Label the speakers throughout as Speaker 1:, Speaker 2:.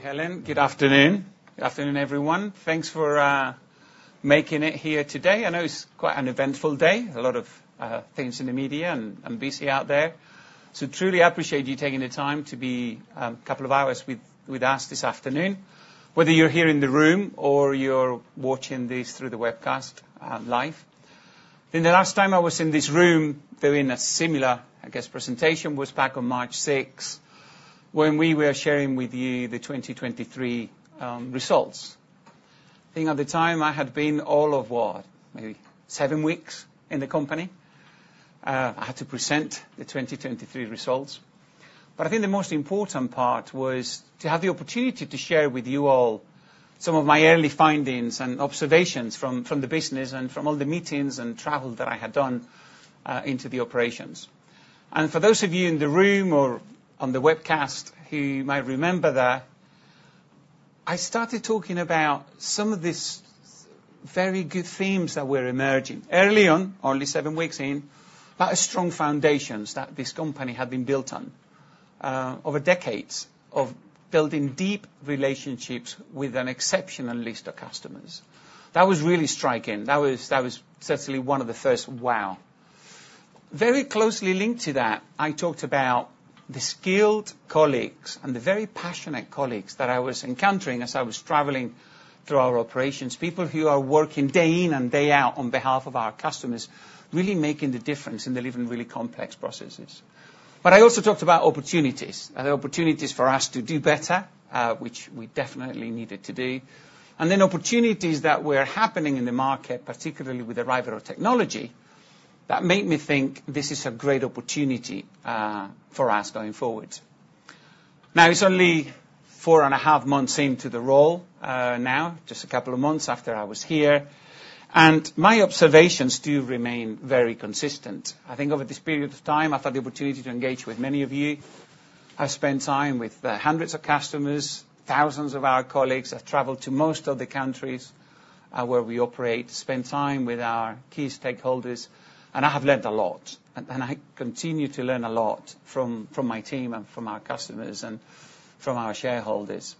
Speaker 1: Helen, good afternoon. Good afternoon, everyone. Thanks for making it here today. I know it's quite an eventful day, a lot of things in the media, and I'm busy out there. So truly appreciate you taking the time to be a couple of hours with us this afternoon, whether you're here in the room or you're watching this through the webcast live. Then the last time I was in this room, though in a similar, I guess, presentation, was back on March 6, when we were sharing with you the 2023 results. I think at the time, I had been all of what? Maybe 7 weeks in the company. I had to present the 2023 results. But I think the most important part was to have the opportunity to share with you all some of my early findings and observations from the business and from all the meetings and travel that I had done into the operations. For those of you in the room or on the webcast who you might remember that I started talking about some of these very good themes that were emerging early on, only seven weeks in, about a strong foundations that this company had been built on over decades of building deep relationships with an exceptional list of customers. That was really striking. That was certainly one of the first wow. Very closely linked to that, I talked about the skilled colleagues and the very passionate colleagues that I was encountering as I was traveling through our operations. People who are working day in and day out on behalf of our customers, really making the difference, and they live in really complex processes. But I also talked about opportunities, and the opportunities for us to do better, which we definitely needed to do, and then opportunities that were happening in the market, particularly with the arrival of technology, that made me think this is a great opportunity, for us going forward. Now, it's only four and a half months into the role, now, just a couple of months after I was here, and my observations do remain very consistent. I think over this period of time, I've had the opportunity to engage with many of you. I've spent time with, hundreds of customers, thousands of our colleagues. I've traveled to most of the countries where we operate, spent time with our key stakeholders, and I have learned a lot, and I continue to learn a lot from my team, and from our customers, and from our shareholders.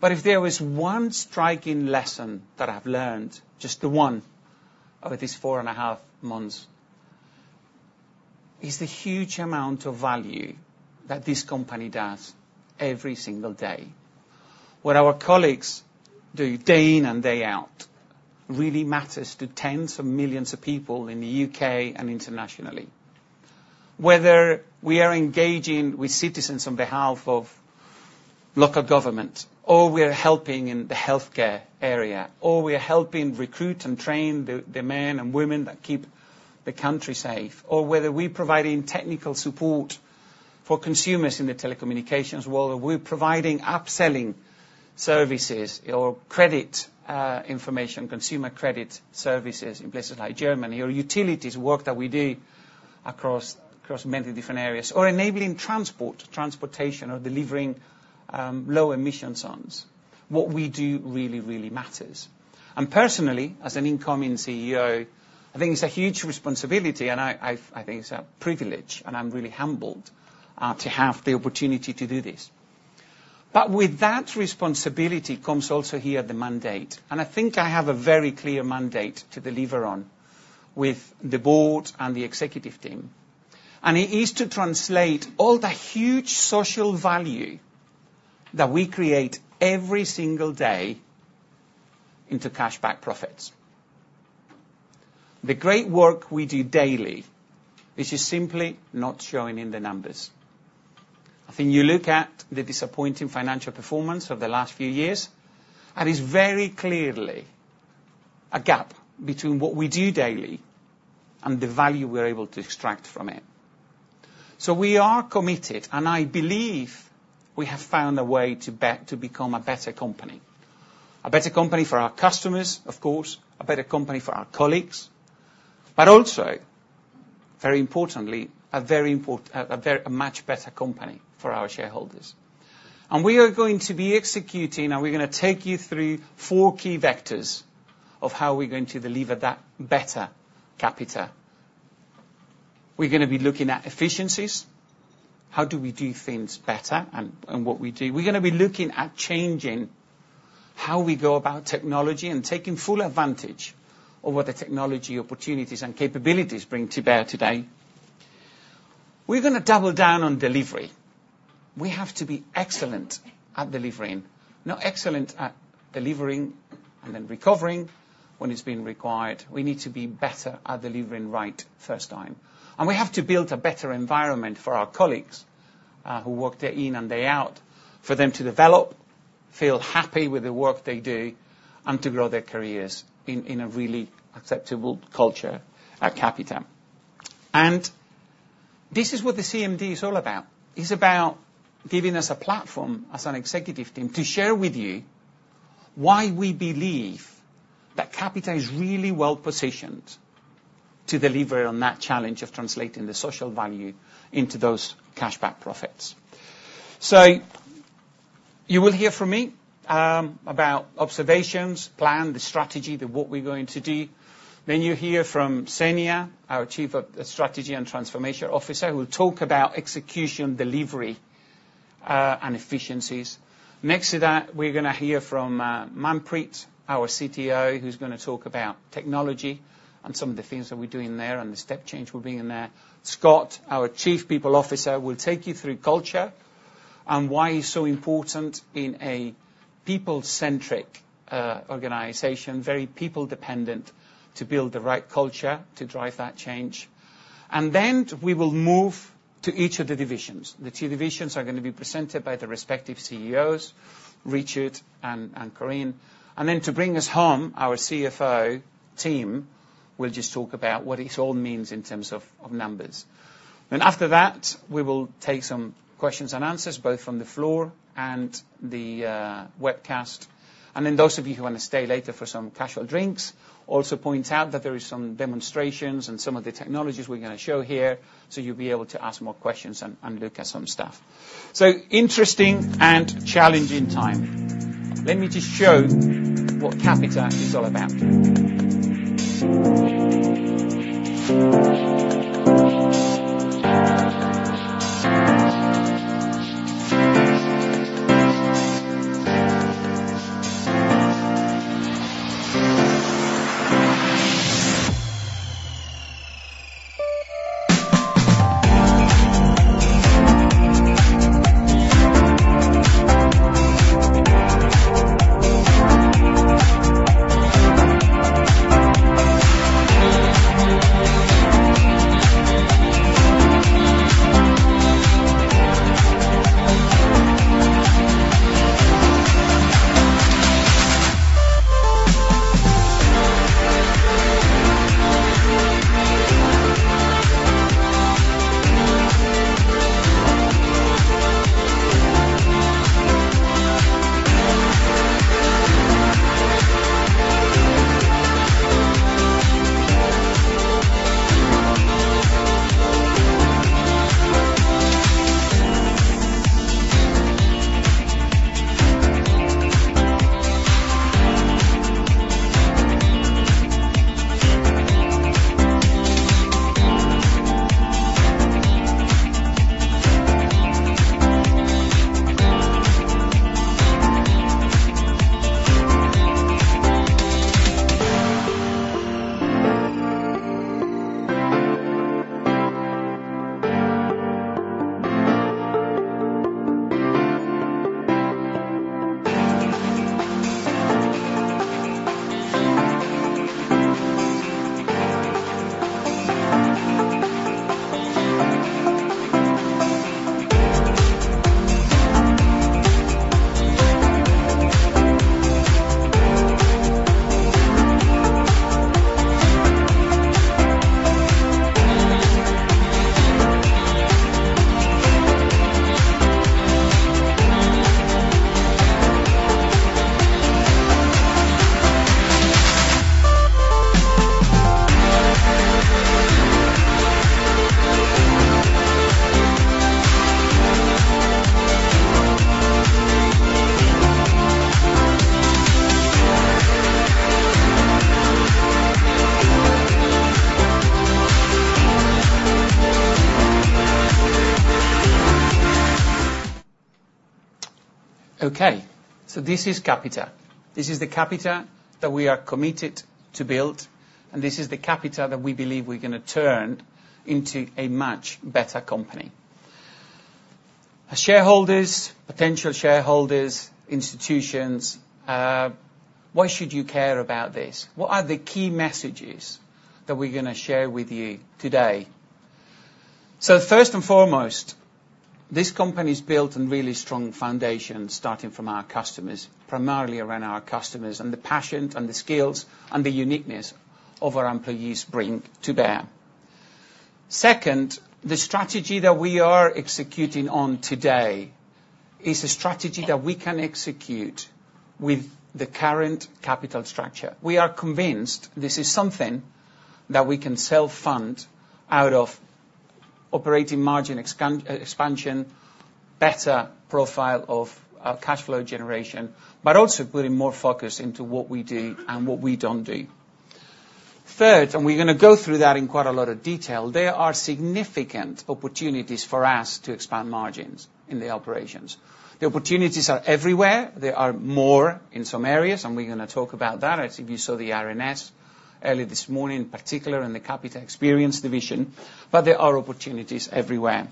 Speaker 1: But if there was one striking lesson that I've learned, just the one, over this four and a half months, is the huge amount of value that this company does every single day. What our colleagues do day in and day out really matters to tens of millions of people in the UK and internationally. Whether we are engaging with citizens on behalf of local government, or we are helping in the healthcare area, or we are helping recruit and train the men and women that keep the country safe, or whether we're providing technical support for consumers in the telecommunications world, or we're providing upselling services or credit information, consumer credit services in places like Germany or utilities work that we do across many different areas, or enabling transportation, or delivering low emission zones. What we do really, really matters. Personally, as an incoming CEO, I think it's a huge responsibility, and I think it's a privilege, and I'm really humbled to have the opportunity to do this. But with that responsibility comes also here the mandate, and I think I have a very clear mandate to deliver on with the board and the executive team. And it is to translate all the huge social value that we create every single day into cash-backed profits. The great work we do daily, this is simply not showing in the numbers. I think you look at the disappointing financial performance of the last few years, and it's very clearly a gap between what we do daily and the value we're able to extract from it. So we are committed, and I believe we have found a way to become a better company. A better company for our customers, of course, a better company for our colleagues, but also, very importantly, a much better company for our shareholders. And we are going to be executing, and we're gonna take you through four key vectors of how we're going to deliver that Better Capita. We're gonna be looking at efficiencies, how do we do things better, and what we do. We're gonna be looking at changing how we go about technology and taking full advantage of what the technology opportunities and capabilities bring to bear today. We're gonna double down on delivery. We have to be excellent at delivering. Not excellent at delivering and then recovering when it's been required. We need to be better at delivering right first time. And we have to build a better environment for our colleagues, who work day in and day out, for them to develop, feel happy with the work they do, and to grow their careers in a really acceptable culture at Capita. This is what the CMD is all about. It's about giving us a platform, as an executive team, to share with you why we believe that Capita is really well-positioned to deliver on that challenge of translating the social value into those cash-backed profits. So you will hear from me about observations, plan, the strategy, the what we're going to do. Then you'll hear from Zenia, our Chief Strategy and Transformation Officer, who will talk about execution, delivery, and efficiencies. Next to that, we're gonna hear from Manpreet, our CTO, who's gonna talk about technology and some of the things that we're doing there, and the step change we're bringing there. Scott, our Chief People Officer, will take you through culture and why it's so important in a people-centric organization, very people-dependent, to build the right culture to drive that change. Then we will move to each of the divisions. The two divisions are gonna be presented by the respective CEOs, Richard and Corinne. Then to bring us home, our CFO team will just talk about what this all means in terms of numbers. After that, we will take some questions and answers, both from the floor and the webcast. Then those of you who want to stay later for some casual drinks, also point out that there is some demonstrations and some of the technologies we're gonna show here, so you'll be able to ask more questions and look at some stuff. So interesting and challenging time. Let me just show what Capita is all about. Okay, so this is Capita. This is the Capita that we are committed to build, and this is the Capita that we believe we're gonna turn into a much better company. As shareholders, potential shareholders, institutions, why should you care about this? What are the key messages that we're gonna share with you today? So first and foremost, this company is built on really strong foundations, starting from our customers, primarily around our customers, and the passion and the skills and the uniqueness of our employees bring to bear. Second, the strategy that we are executing on today is a strategy that we can execute with the current capital structure. We are convinced this is something that we can self-fund out of operating margin expansion, better profile of, cash flow generation, but also putting more focus into what we do and what we don't do. Third, and we're gonna go through that in quite a lot of detail, there are significant opportunities for us to expand margins in the operations. The opportunities are everywhere. There are more in some areas, and we're gonna talk about that. I think you saw the RNS early this morning, in particular in the Capita Experience division, but there are opportunities everywhere.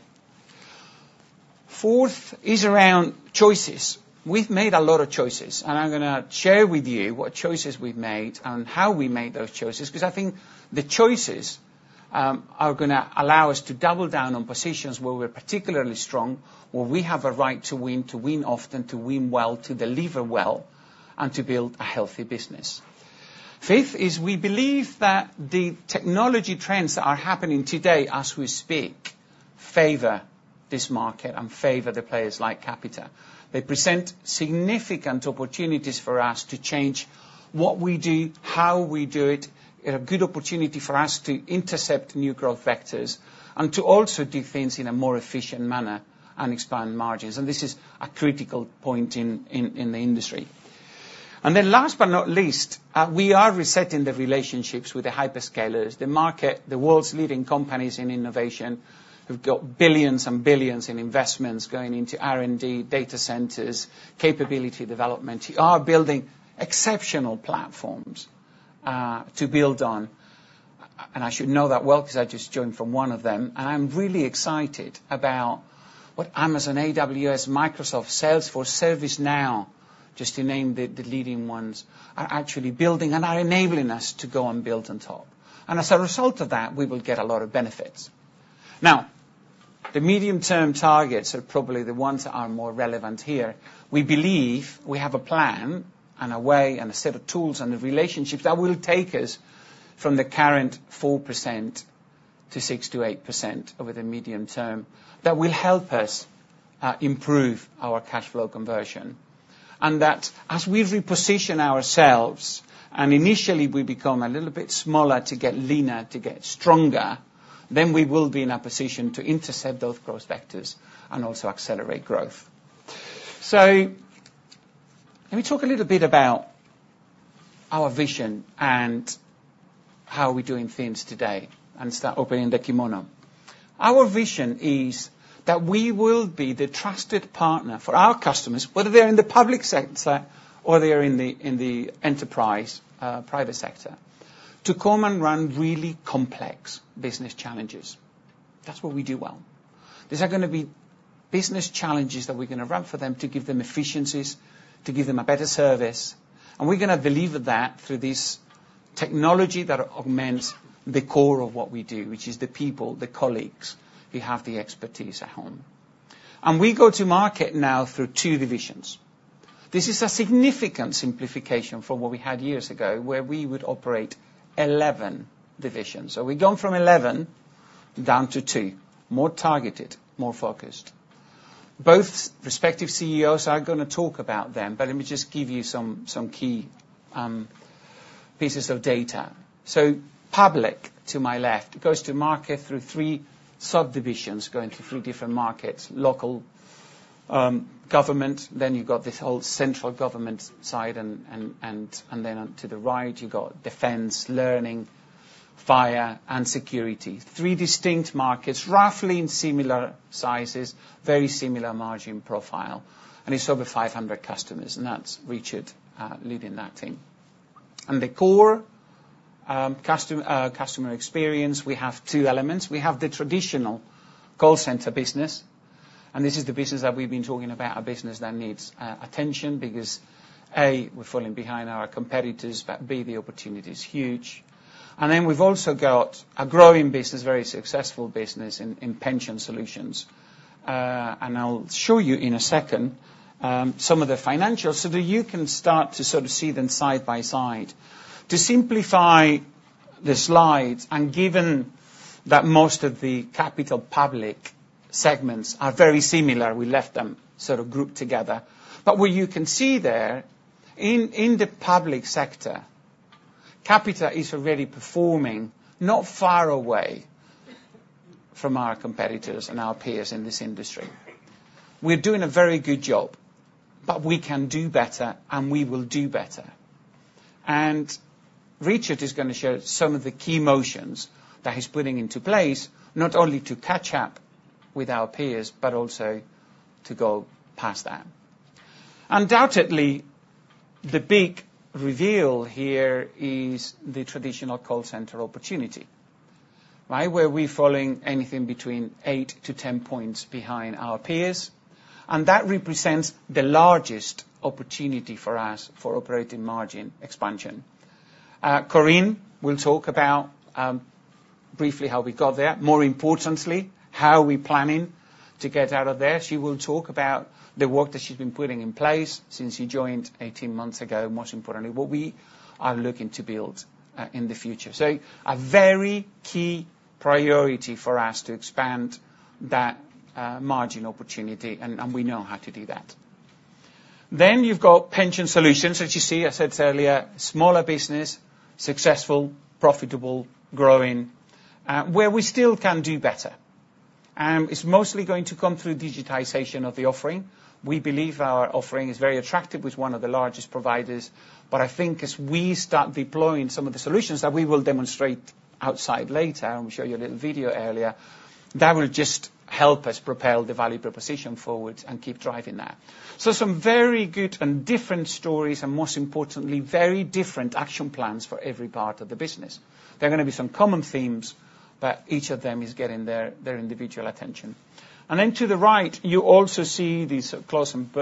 Speaker 1: Fourth is around choices. We've made a lot of choices, and I'm gonna share with you what choices we've made and how we made those choices, 'cause I think the choices are gonna allow us to double down on positions where we're particularly strong, where we have a right to win, to win often, to win well, to deliver well, and to build a healthy business. Fifth is we believe that the technology trends that are happening today, as we speak, favor this market and favor the players like Capita. They present significant opportunities for us to change what we do, how we do it, and a good opportunity for us to intercept new growth vectors, and to also do things in a more efficient manner and expand margins. This is a critical point in the industry. Then last but not least, we are resetting the relationships with the hyperscalers, the market, the world's leading companies in innovation, who've got billions and billions in investments going into R&D, data centers, capability development. They are building exceptional platforms to build on, and I should know that well because I just joined from one of them. I'm really excited about what Amazon, AWS, Microsoft, Salesforce, ServiceNow, just to name the, the leading ones, are actually building and are enabling us to go and build on top. As a result of that, we will get a lot of benefits. Now, the medium-term targets are probably the ones that are more relevant here. We believe we have a plan and a way and a set of tools and the relationships that will take us from the current 4% to 6%-8% over the medium term, that will help us, improve our cash flow conversion. And that as we reposition ourselves, and initially, we become a little bit smaller to get leaner, to get stronger, then we will be in a position to intercept those growth vectors and also accelerate growth. So let me talk a little bit about our vision and how we're doing things today, and start opening the kimono. Our vision is that we will be the trusted partner for our customers, whether they're in the Public sector or they're in the, in the enterprise, private sector, to come and run really complex business challenges. That's what we do well. These are gonna be business challenges that we're gonna run for them to give them efficiencies, to give them a better service, and we're gonna deliver that through this technology that augments the core of what we do, which is the people, the colleagues, who have the expertise at home. And we go to market now through two divisions. This is a significant simplification from what we had years ago, where we would operate 11 divisions. So we've gone from 11 down to two. More targeted, more focused. Both respective CEOs are gonna talk about them, but let me just give you some key pieces of data. So Public, to my left, goes to market through three subdivisions, going through three different markets, local government, then you've got this whole central government side, and then to the right, you got defense, learning, fire, and security. Three distinct markets, roughly in similar sizes, very similar margin profile, and it's over 500 customers, and that's Richard leading that team. And the core customer experience, we have two elements. We have the traditional call center business, and this is the business that we've been talking about, a business that needs attention because, A, we're falling behind our competitors, but B, the opportunity is huge. And then we've also got a growing business, very successful business in pension solutions. I'll show you in a second some of the financials, so that you can start to sort of see them side by side. To simplify the slides, and given that most of the Capita Public segments are very similar, we left them sort of grouped together. But what you can see there, in the Public sector, Capita is already performing not far away from our competitors and our peers in this industry. We're doing a very good job, but we can do better, and we will do better. Richard is gonna share some of the key motions that he's putting into place, not only to catch up with our peers, but also to go past that. Undoubtedly, the big reveal here is the traditional call center opportunity, right? Where we're following anything between 8-10 points behind our peers, and that represents the largest opportunity for us for operating margin expansion. Corinne will talk about briefly how we got there. More importantly, how we're planning to get out of there. She will talk about the work that she's been putting in place since she joined 18 months ago, and most importantly, what we are looking to build in the future. So a very key priority for us to expand that margin opportunity, and, and we know how to do that. Then you've got pension solutions, as you see, I said earlier, smaller business, successful, profitable, growing, where we still can do better. And it's mostly going to come through digitization of the offering. We believe our offering is very attractive with one of the largest providers, but I think as we start deploying some of the solutions that we will demonstrate outside later, and we showed you a little video earlier, that will just help us propel the value proposition forward and keep driving that. So some very good and different stories, and most importantly, very different action plans for every part of the business. There are gonna be some common themes, but each of them is getting their individual attention. And then to the right, you also see this closed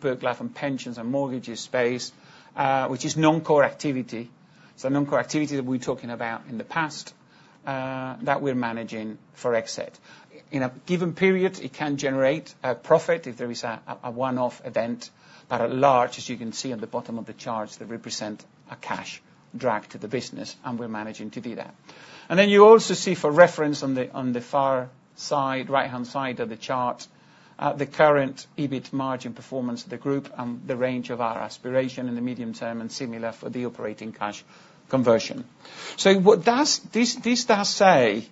Speaker 1: book life and pensions and mortgages space, which is non-core activity. So non-core activity that we're talking about in the past, that we're managing for exit. In a given period, it can generate a profit if there is a one-off event, but at large, as you can see on the bottom of the charts, they represent a cash drag to the business, and we're managing to do that. And then you also see, for reference, on the far side, right-hand side of the chart, the current EBIT margin performance of the group and the range of our aspiration in the medium term, and similar for the operating cash conversion. So what does this say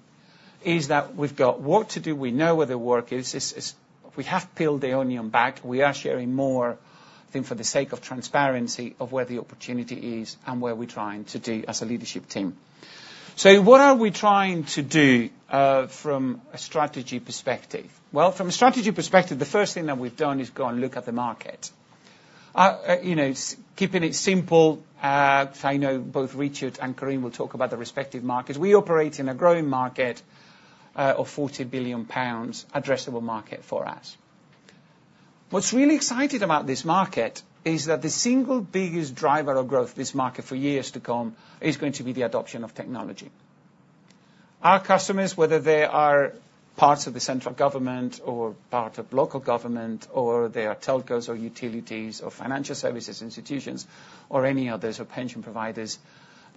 Speaker 1: is that we've got work to do. We know where the work is. It's, we have peeled the onion back. We are sharing more, I think, for the sake of transparency, of where the opportunity is and where we're trying to do as a leadership team. So what are we trying to do, from a strategy perspective? Well, from a strategy perspective, the first thing that we've done is go and look at the market. You know, keeping it simple, I know both Richard and Corinne will talk about the respective markets. We operate in a growing market of 40 billion pounds addressable market for us. What's really exciting about this market is that the single biggest driver of growth in this market for years to come is going to be the adoption of technology. Our customers, whether they are parts of the central government or part of local government, or they are telcos or utilities or financial services institutions or any others, or pension providers,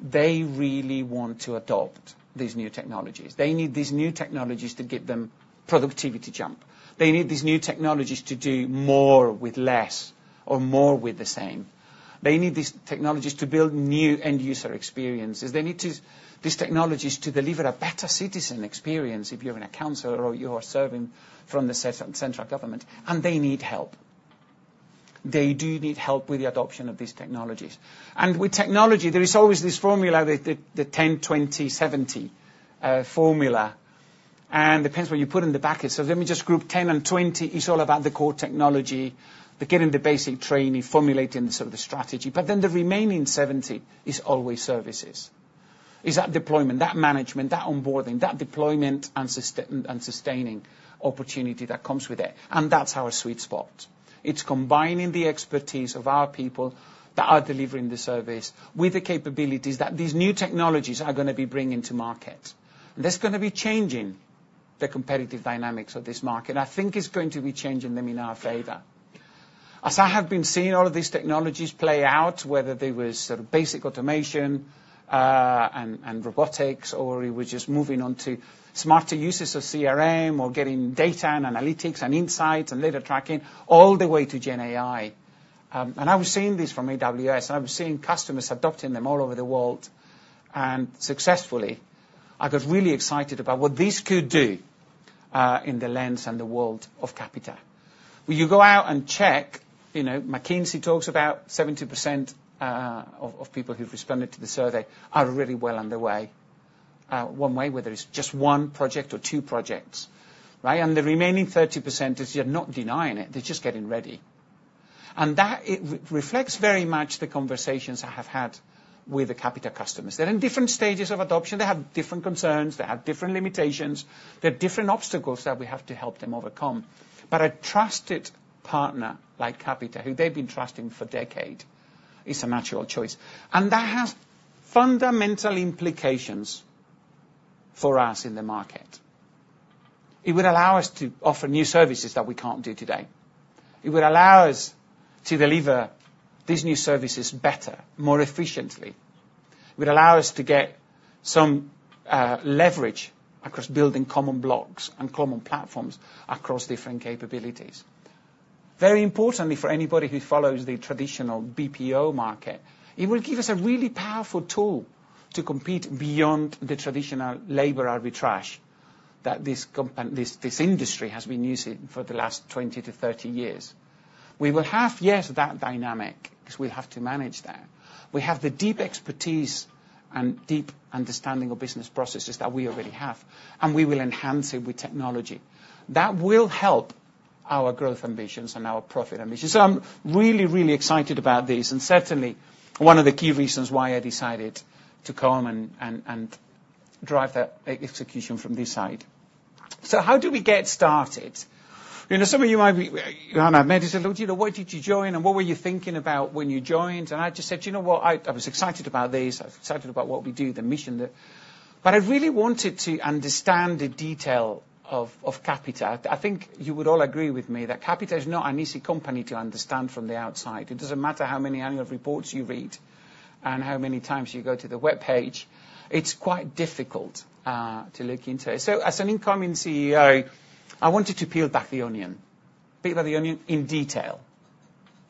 Speaker 1: they really want to adopt these new technologies. They need these new technologies to give them productivity jump. They need these new technologies to do more with less or more with the same. They need these technologies to build new end-user experiences. They need these technologies to deliver a better citizen experience if you're in a council or you are serving from the central government, and they need help. They do need help with the adoption of these technologies. With technology, there is always this formula, the 10, 20, 70 formula, and depends where you put in the bucket. So let me just group 10 and 20 is all about the core technology, the getting the basic training, formulating the sort of the strategy. But then the remaining 70 is always services. Is that deployment, that management, that onboarding, that deployment and sustaining opportunity that comes with it, and that's our sweet spot. It's combining the expertise of our people that are delivering the service, with the capabilities that these new technologies are gonna be bringing to market. That's gonna be changing the competitive dynamics of this market, and I think it's going to be changing them in our favor. As I have been seeing all of these technologies play out, whether they was sort of basic automation, and robotics, or it was just moving on to smarter uses of CRM or getting data and analytics and insights and data tracking all the way to GenAI. And I was seeing this from AWS, I was seeing customers adopting them all over the world, and successfully. I got really excited about what this could do, in the lens and the world of Capita. When you go out and check, you know, McKinsey talks about 70%, of, of people who've responded to the survey are really well underway, one way, whether it's just one project or two projects, right? The remaining 30% is they're not denying it, they're just getting ready. That it reflects very much the conversations I have had with the Capita customers. They're in different stages of adoption. They have different concerns, they have different limitations, they're different obstacles that we have to help them overcome. But a trusted partner, like Capita, who they've been trusting for decade, is a natural choice. That has fundamental implications for us in the market. It would allow us to offer new services that we can't do today. It would allow us to deliver these new services better, more efficiently. It would allow us to get some leverage across building common blocks and common platforms across different capabilities. Very importantly, for anybody who follows the traditional BPO market, it will give us a really powerful tool to compete beyond the traditional labor arbitrage that this company, this industry has been using for the last 20-30 years. We will have, yes, that dynamic, because we have to manage that. We have the deep expertise and deep understanding of business processes that we already have, and we will enhance it with technology. That will help our growth ambitions and our profit ambitions. So I'm really, really excited about this, and certainly one of the key reasons why I decided to come and drive that execution from this side. So how do we get started? You know, some of you might be, maybe said, "Well, you know, why did you join, and what were you thinking about when you joined?" And I just said: You know what? I, I was excited about this. I was excited about what we do, the mission, the... But I really wanted to understand the detail of, of Capita. I think you would all agree with me that Capita is not an easy company to understand from the outside. It doesn't matter how many annual reports you read and how many times you go to the webpage, it's quite difficult, to look into it. So as an incoming CEO, I wanted to peel back the onion. Peel back the onion in detail,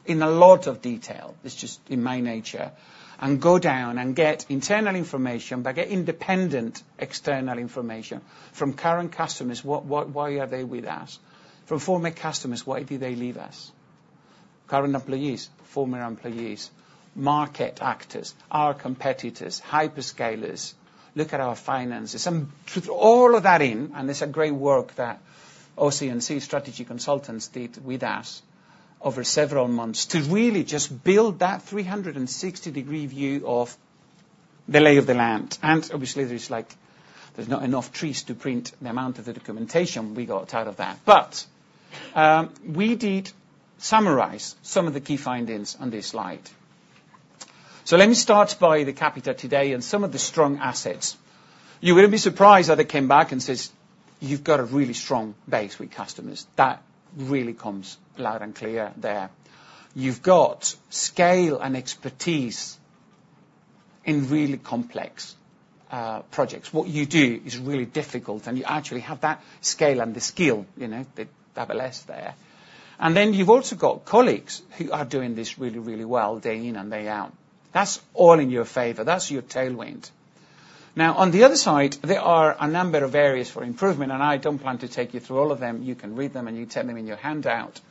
Speaker 1: in a lot of detail. It's just in my nature, and go down and get internal information, but get independent external information from current customers, what, what, why are they with us? From former customers, why did they leave us? Current employees, former employees, market actors, our competitors, hyperscalers, look at our finances, and put all of that in. It's a great work that OC&C Strategy Consultants did with us over several months to really just build that 360-degree view of the lay of the land. Obviously, there's like, there's not enough trees to print the amount of the documentation we got out of that. But we did summarize some of the key findings on this slide. So let me start by the Capita today and some of the strong assets. You wouldn't be surprised that I came back and says, "You've got a really strong base with customers." That really comes loud and clear there. You've got scale and expertise in really complex projects. What you do is really difficult, and you actually have that scale and the skill, you know, the double S there. And then you've also got colleagues who are doing this really, really well, day in and day out.... That's all in your favor. That's your tailwind. Now, on the other side, there are a number of areas for improvement, and I don't plan to take you through all of them. You can read them, and you take them in your handout.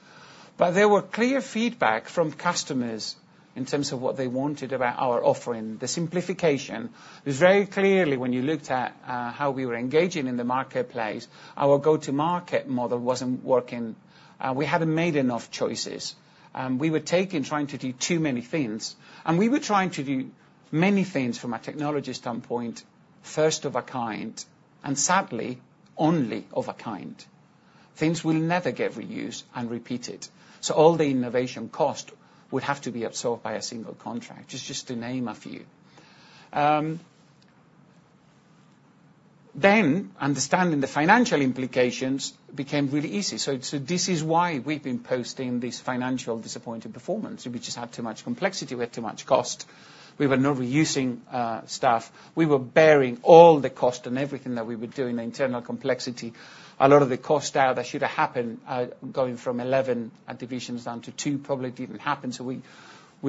Speaker 1: But there were clear feedback from customers in terms of what they wanted about our offering, the simplification. It's very clearly, when you looked at how we were engaging in the marketplace, our go-to-market model wasn't working, and we hadn't made enough choices. We were trying to do too many things, and we were trying to do many things from a technology standpoint, first of a kind, and sadly, only of a kind. Things we'll never get reused and repeated. So all the innovation cost would have to be absorbed by a single contract, just to name a few. Then, understanding the financial implications became really easy. So this is why we've been posting this financial disappointing performance. We just had too much complexity, we had too much cost. We were not reusing stuff. We were bearing all the cost and everything that we were doing, the internal complexity. A lot of the cost out that should have happened, going from 11 divisions down to 2, probably didn't happen, so we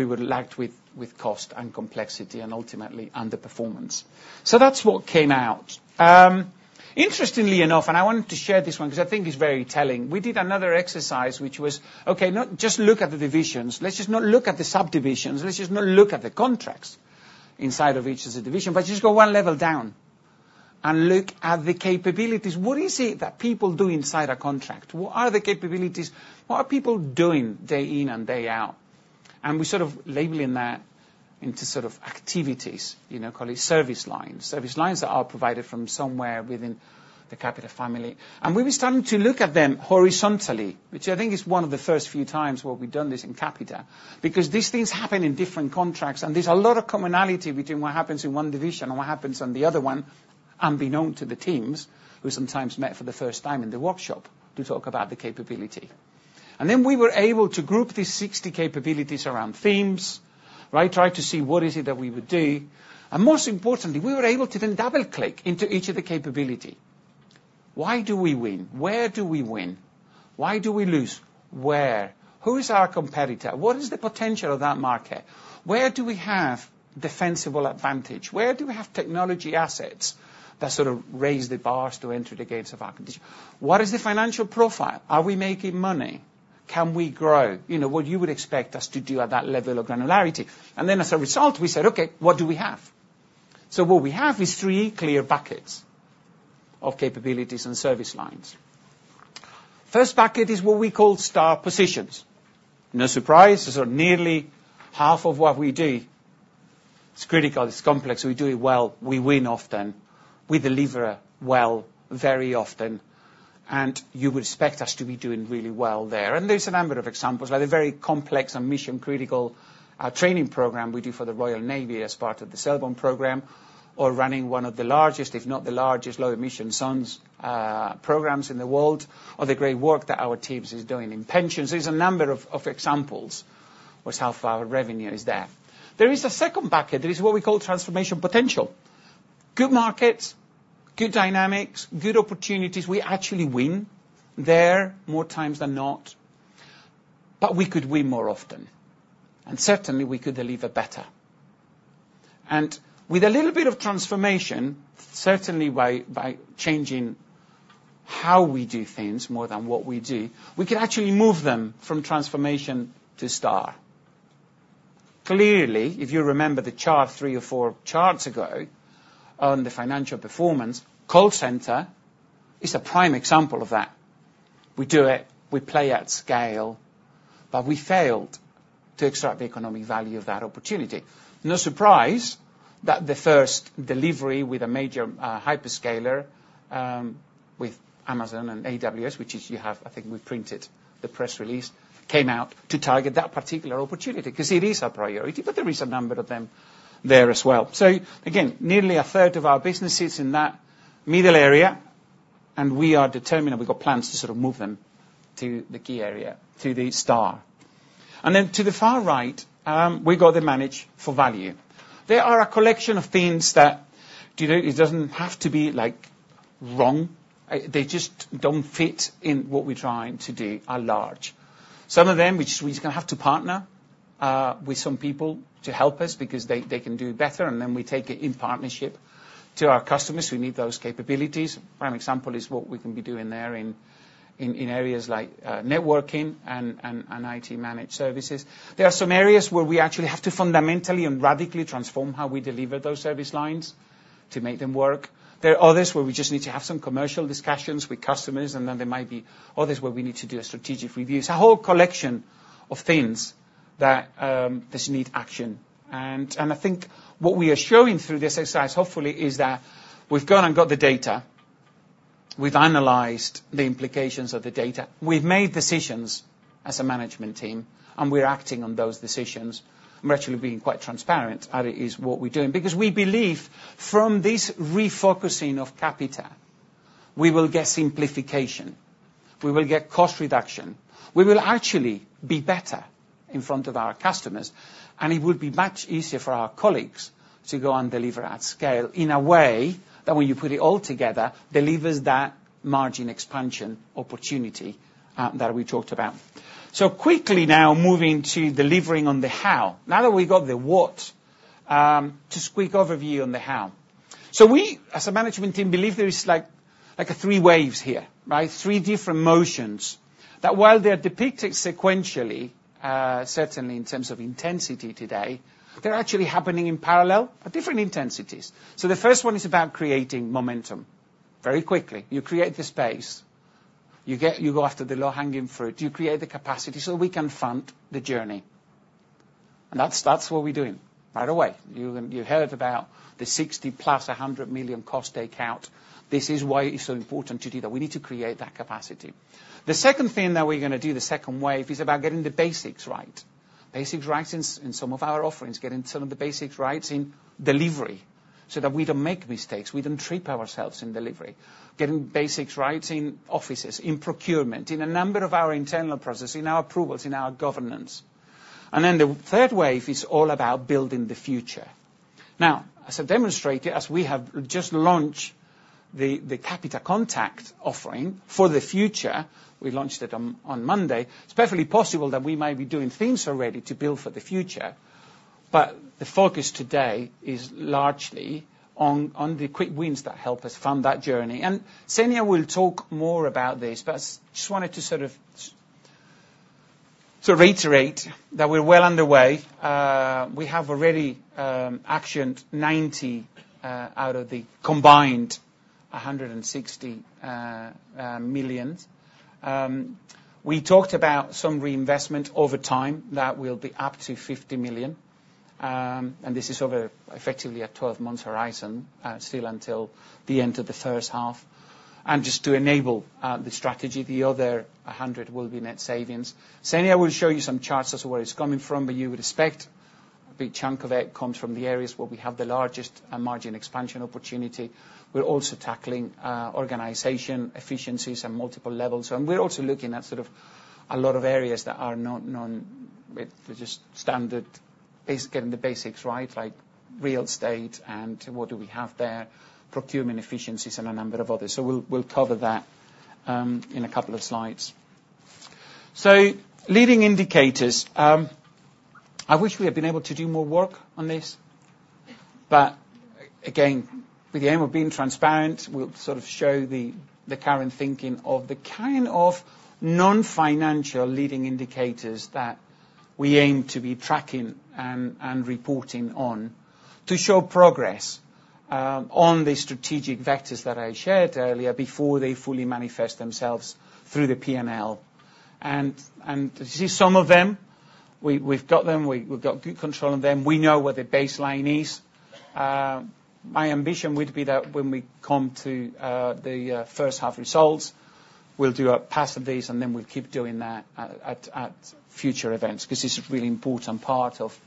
Speaker 1: were saddled with cost and complexity and ultimately, underperformance. So that's what came out. Interestingly enough, I wanted to share this one because I think it's very telling. We did another exercise, which was, okay, not just look at the divisions, let's just not look at the subdivisions, let's just not look at the contracts inside of each of the division, but just go one level down and look at the capabilities. What is it that people do inside a contract? What are the capabilities? What are people doing day in and day out? And we're sort of labeling that into sort of activities, you know, call it service lines. Service lines that are provided from somewhere within the Capita family. We were starting to look at them horizontally, which I think is one of the first few times where we've done this in Capita, because these things happen in different contracts, and there's a lot of commonality between what happens in one division and what happens on the other one, unbeknown to the teams, who sometimes met for the first time in the workshop to talk about the capability. Then we were able to group these 60 capabilities around themes, right? Try to see what is it that we would do. Most importantly, we were able to then double-click into each of the capability. Why do we win? Where do we win? Why do we lose? Where? Who is our competitor? What is the potential of that market? Where do we have defensible advantage? Where do we have technology assets that sort of raise the bars to enter the gates of our condition? What is the financial profile? Are we making money? Can we grow? You know, what you would expect us to do at that level of granularity. Then, as a result, we said, "Okay, what do we have?" So what we have is three clear buckets of capabilities and service lines. First bucket is what we call star positions. No surprise, these are nearly half of what we do. It's critical, it's complex, we do it well, we win often, we deliver well very often, and you would expect us to be doing really well there. There's a number of examples, like the very complex and mission-critical training program we do for the Royal Navy as part of the Selborne program, or running one of the largest, if not the largest, low emission zones programs in the world, or the great work that our teams is doing in pensions. There's a number of examples of how far our revenue is there. There is a second bucket. There is what we call transformation potential. Good markets, good dynamics, good opportunities. We actually win there more times than not, but we could win more often, and certainly, we could deliver better. With a little bit of transformation, certainly by changing how we do things more than what we do, we could actually move them from transformation to star. Clearly, if you remember the chart three or four charts ago on the financial performance, call center is a prime example of that. We do it, we play at scale, but we failed to extract the economic value of that opportunity. No surprise that the first delivery with a major hyperscaler with Amazon and AWS, which is you have... I think we've printed the press release, came out to target that particular opportunity, because it is a priority, but there is a number of them there as well. So again, nearly a third of our businesses in that middle area, and we are determined, and we've got plans to sort of move them to the key area, to the star. And then to the far right, we got the manage for value. They are a collection of things that, you know, it doesn't have to be like, wrong, they just don't fit in what we're trying to do at large. Some of them, which we're just gonna have to partner, with some people to help us because they, they can do better, and then we take it in partnership to our customers who need those capabilities. Prime example is what we can be doing there in areas like, networking and IT managed services. There are some areas where we actually have to fundamentally and radically transform how we deliver those service lines to make them work. There are others where we just need to have some commercial discussions with customers, and then there might be others where we need to do a strategic review. It's a whole collection of things that, just need action. I think what we are showing through this exercise, hopefully, is that we've gone and got the data, we've analyzed the implications of the data, we've made decisions as a management team, and we're acting on those decisions. We're actually being quite transparent, and it is what we're doing, because we believe from this refocusing of Capita, we will get simplification, we will get cost reduction, we will actually be better in front of our customers, and it would be much easier for our colleagues to go and deliver at scale in a way that when you put it all together, delivers that margin expansion opportunity that we talked about. So quickly now, moving to delivering on the how. Now that we've got the what, just quick overview on the how. So we, as a management team, believe there is, like, a three waves here, right? Three different motions, that while they are depicted sequentially, certainly in terms of intensity today, they're actually happening in parallel at different intensities. So the first one is about creating momentum very quickly. You create the space, you get-- you go after the low-hanging fruit, you create the capacity so we can fund the journey. And that's, that's what we're doing right away. You, you heard about the 60 million + 100 million cost take out. This is why it's so important to do that. We need to create that capacity. The second thing that we're gonna do, the second wave, is about getting the basics right. Basics right in, in some of our offerings, getting some of the basics right in delivery, so that we don't make mistakes, we don't trip ourselves in delivery. Getting basics right in offices, in procurement, in a number of our internal processes, in our approvals, in our governance. And then the third wave is all about building the future. Now, as I demonstrated, as we have just launched the, the Capita Contact offering for the future, we launched it on, on Monday. It's perfectly possible that we may be doing things already to build for the future, but the focus today is largely on, on the quick wins that help us fund that journey. And Zenia will talk more about this, but I just wanted to sort of, to reiterate that we're well underway. We have already actioned 90 out of the combined 160 millions. We talked about some reinvestment over time that will be up to 50 million. This is over effectively a 12-month horizon, still until the end of the first half. Just to enable the strategy, the other 100 will be net savings. Zenia will show you some charts as to where it's coming from, but you would expect a big chunk of it comes from the areas where we have the largest margin expansion opportunity. We're also tackling organization efficiencies at multiple levels, and we're also looking at sort of a lot of areas that are not known, with just standard, basic - getting the basics right, like real estate and what do we have there, procurement efficiencies, and a number of others. So we'll cover that in a couple of slides. So leading indicators. I wish we had been able to do more work on this, but again, with the aim of being transparent, we'll sort of show the current thinking of the kind of non-financial leading indicators that we aim to be tracking and reporting on, to show progress on the strategic vectors that I shared earlier before they fully manifest themselves through the P&L. And to see some of them, we've got them, we've got good control of them. We know where the baseline is. My ambition would be that when we come to the first half results, we'll do a pass of these, and then we'll keep doing that at future events, 'cause this is a really important part of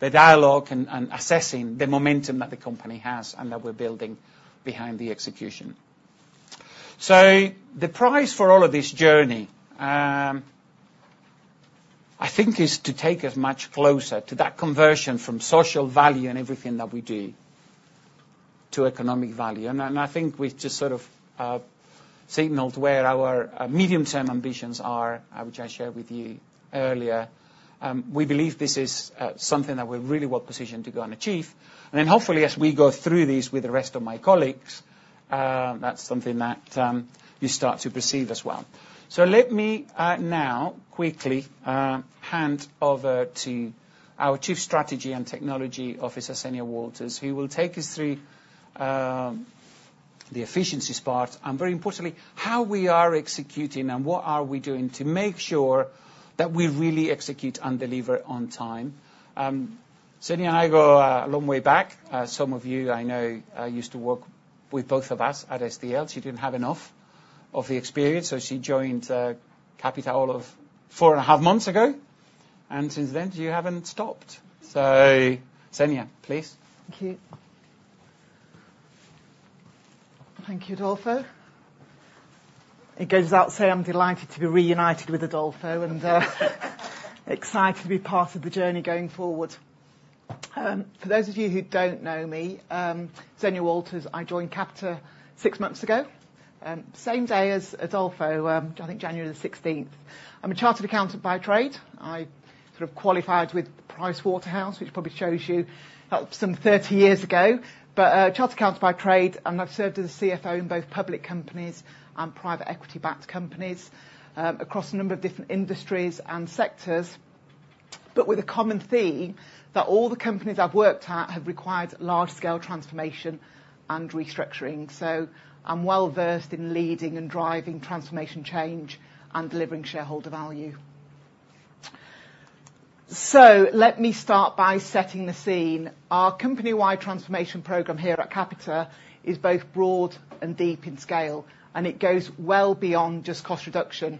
Speaker 1: the dialogue and assessing the momentum that the company has and that we're building behind the execution. So the prize for all of this journey, I think, is to take us much closer to that conversion from social value in everything that we do, to economic value. And I think we've just sort of signaled where our medium-term ambitions are, which I shared with you earlier. We believe this is something that we're really well positioned to go and achieve. And then, hopefully, as we go through this with the rest of my colleagues, that's something that you start to perceive as well. So let me now quickly hand over to our Chief Strategy and Technology Officer, Zenia Walters, who will take us through the efficiencies part, and very importantly, how we are executing and what we are doing to make sure that we really execute and deliver on time. Zenia and I go a long way back. Some of you, I know, used to work with both of us at SDL. She didn't have enough of the experience, so she joined Capita all of four and a half months ago, and since then, you haven't stopped. So, Zenia, please.
Speaker 2: Thank you. Thank you, Adolfo. It goes without saying, I'm delighted to be reunited with Adolfo and excited to be part of the journey going forward. For those of you who don't know me, Zenia Walters, I joined Capita six months ago, same day as Adolfo, I think January the 16th. I'm a chartered accountant by trade. I sort of qualified with Price Waterhouse, which probably shows you that was some 30 years ago, but chartered accountant by trade, and I've served as a CFO in both Public companies and private equity-backed companies, across a number of different industries and sectors, but with a common theme, that all the companies I've worked at have required large-scale transformation and restructuring. So I'm well-versed in leading and driving transformation change and delivering shareholder value. Let me start by setting the scene. Our company-wide transformation program here at Capita is both broad and deep in scale, and it goes well beyond just cost reduction.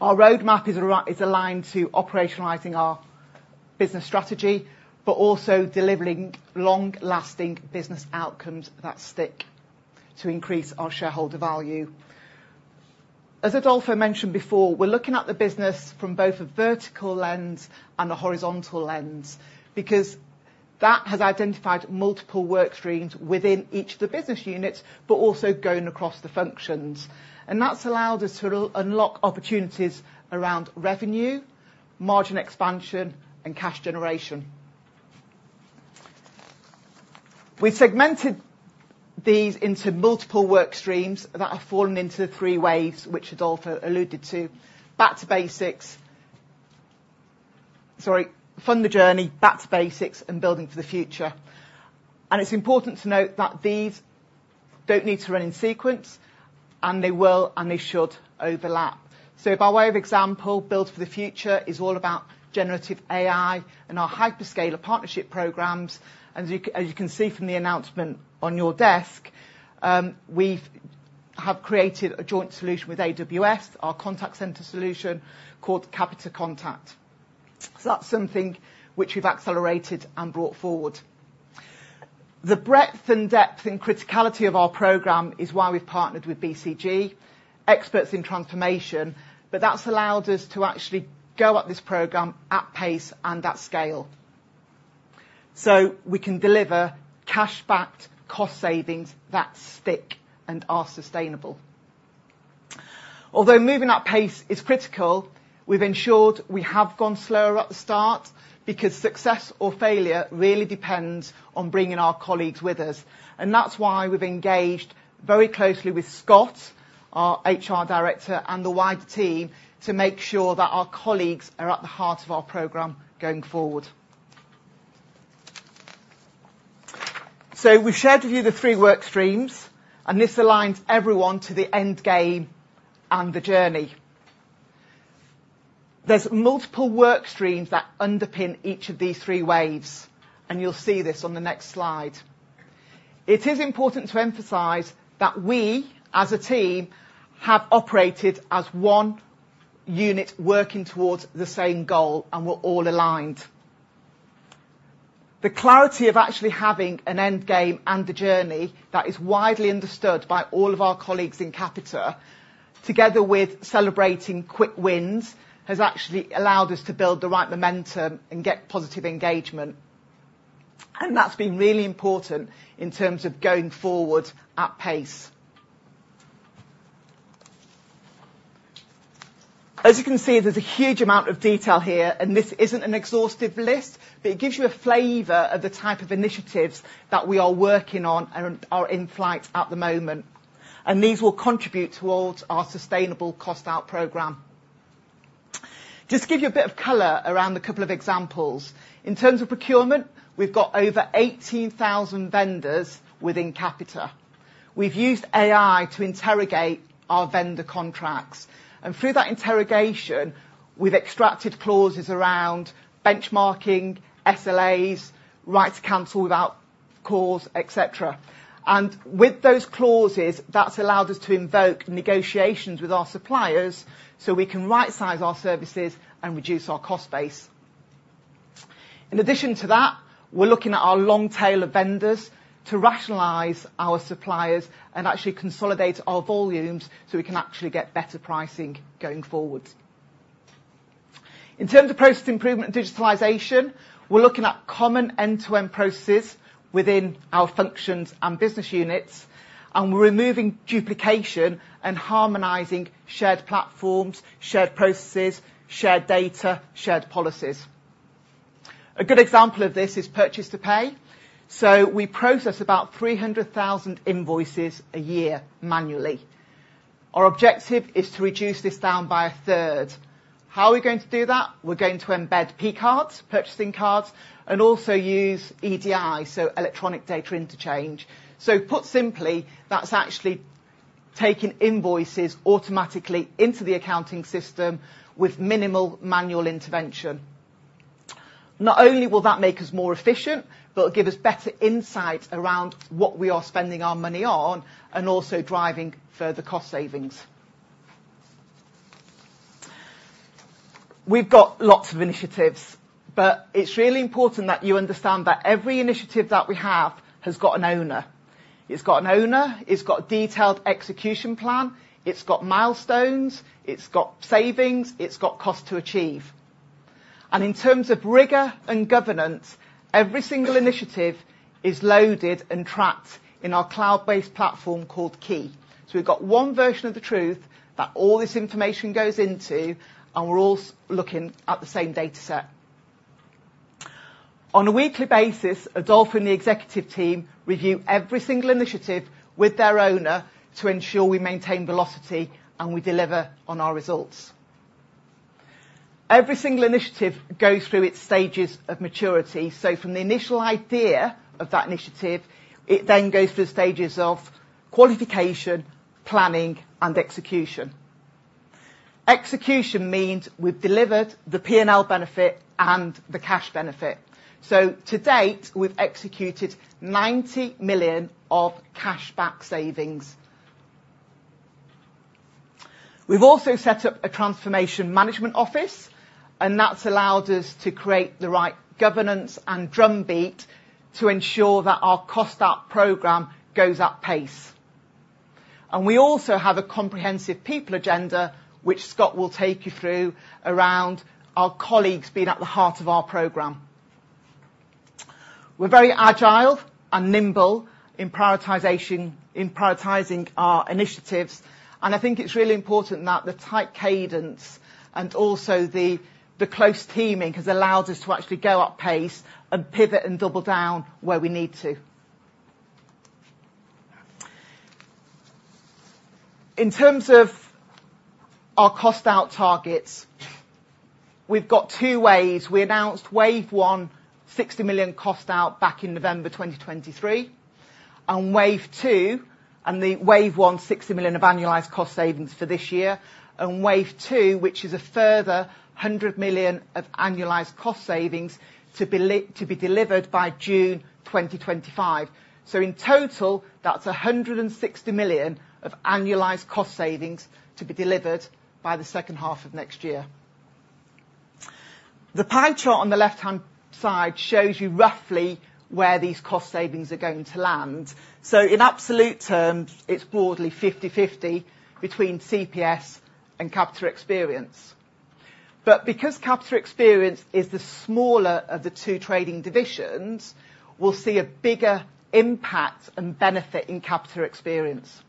Speaker 2: Our roadmap is aligned to operationalizing our business strategy, but also delivering long-lasting business outcomes that stick to increase our shareholder value. As Adolfo mentioned before, we're looking at the business from both a vertical lens and a horizontal lens, because that has identified multiple work streams within each of the business units, but also going across the functions. And that's allowed us to unlock opportunities around revenue, margin expansion, and cash generation. We segmented these into multiple work streams that have fallen into three waves, which Adolfo alluded to: fund the journey, back to basics, and building for the future. And it's important to note that these don't need to run in sequence, and they will, and they should, overlap. So by way of example, build for the future is all about generative AI and our hyperscaler partnership programs. And you can see from the announcement on your desk, we've created a joint solution with AWS, our contact center solution called Capita Contact. So that's something which we've accelerated and brought forward. The breadth and depth and criticality of our program is why we've partnered with BCG, experts in transformation, but that's allowed us to actually go at this program at pace and at scale. So we can deliver cash-backed cost savings that stick and are sustainable. Although moving at pace is critical, we've ensured we have gone slower at the start because success or failure really depends on bringing our colleagues with us. That's why we've engaged very closely with Scott, our HR director, and the wider team, to make sure that our colleagues are at the heart of our program going forward. We've shared with you the three work streams, and this aligns everyone to the end game and the journey. There's multiple work streams that underpin each of these three waves, and you'll see this on the next slide. It is important to emphasize that we, as a team, have operated as one unit working towards the same goal, and we're all aligned. The clarity of actually having an end game and the journey that is widely understood by all of our colleagues in Capita, together with celebrating quick wins, has actually allowed us to build the right momentum and get positive engagement. That's been really important in terms of going forward at pace. As you can see, there's a huge amount of detail here, and this isn't an exhaustive list, but it gives you a flavor of the type of initiatives that we are working on and are in flight at the moment. These will contribute towards our sustainable cost out program. Just to give you a bit of color around a couple of examples. In terms of procurement, we've got over 18,000 vendors within Capita. We've used AI to interrogate our vendor contracts, and through that interrogation, we've extracted clauses around benchmarking, SLAs, right to counsel without cause, et cetera. With those clauses, that's allowed us to invoke negotiations with our suppliers, so we can rightsize our services and reduce our cost base. In addition to that, we're looking at our long tail of vendors to rationalize our suppliers and actually consolidate our volumes, so we can actually get better pricing going forward. In terms of process improvement and digitalization, we're looking at common end-to-end processes within our functions and business units, and we're removing duplication and harmonizing shared platforms, shared processes, shared data, shared policies. A good example of this is purchase to pay. So we process about 300,000 invoices a year manually. Our objective is to reduce this down by a third. How are we going to do that? We're going to embed P-Cards, purchasing cards, and also use EDI, so electronic data interchange. So put simply, that's actually taking invoices automatically into the accounting system with minimal manual intervention. Not only will that make us more efficient, but it'll give us better insight around what we are spending our money on and also driving further cost savings. We've got lots of initiatives, but it's really important that you understand that every initiative that we have has got an owner. It's got an owner, it's got a detailed execution plan, it's got milestones, it's got savings, it's got cost to achieve. And in terms of rigor and governance, every single initiative is loaded and tracked in our cloud-based platform called Key. So we've got one version of the truth that all this information goes into, and we're all looking at the same data set. On a weekly basis, Adolfo and the executive team review every single initiative with their owner to ensure we maintain velocity and we deliver on our results. Every single initiative goes through its stages of maturity. So from the initial idea of that initiative, it then goes through stages of qualification, planning, and execution. Execution means we've delivered the P&L benefit and the cash benefit. So to date, we've executed 90 million of cash back savings. We've also set up a transformation management office, and that's allowed us to create the right governance and drumbeat to ensure that our cost out program goes at pace. We also have a comprehensive people agenda, which Scott will take you through, around our colleagues being at the heart of our program. We're very agile and nimble in prioritization, in prioritizing our initiatives, and I think it's really important that the tight cadence and also the, the close teaming has allowed us to actually go up pace and pivot and double down where we need to. In terms of our cost out targets, we've got two waves. We announced Wave One, 60 million cost out back in November 2023, and Wave Two, and the Wave One, 60 million of annualized cost savings for this year, and Wave Two, which is a further 100 million of annualized cost savings to be delivered by June 2025. So in total, that's 160 million of annualized cost savings to be delivered by the second half of next year. The pie chart on the left-hand side shows you roughly where these cost savings are going to land. So in absolute terms, it's broadly 50/50 between CPS and Capita Experience. But because Capita Experience is the smaller of the two trading divisions, we'll see a bigger impact and benefit in Capita Experience.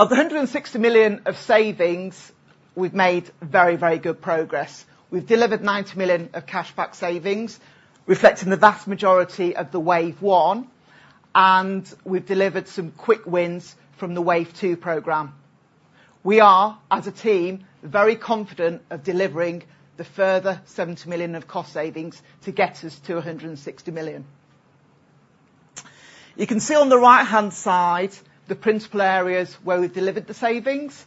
Speaker 2: Of the 160 million of savings, we've made very, very good progress. We've delivered 90 million of cash back savings, reflecting the vast majority of the Wave One, and we've delivered some quick wins from the Wave Two program. We are, as a team, very confident of delivering the further 70 million of cost savings to get us to 160 million. You can see on the right-hand side the principal areas where we've delivered the savings.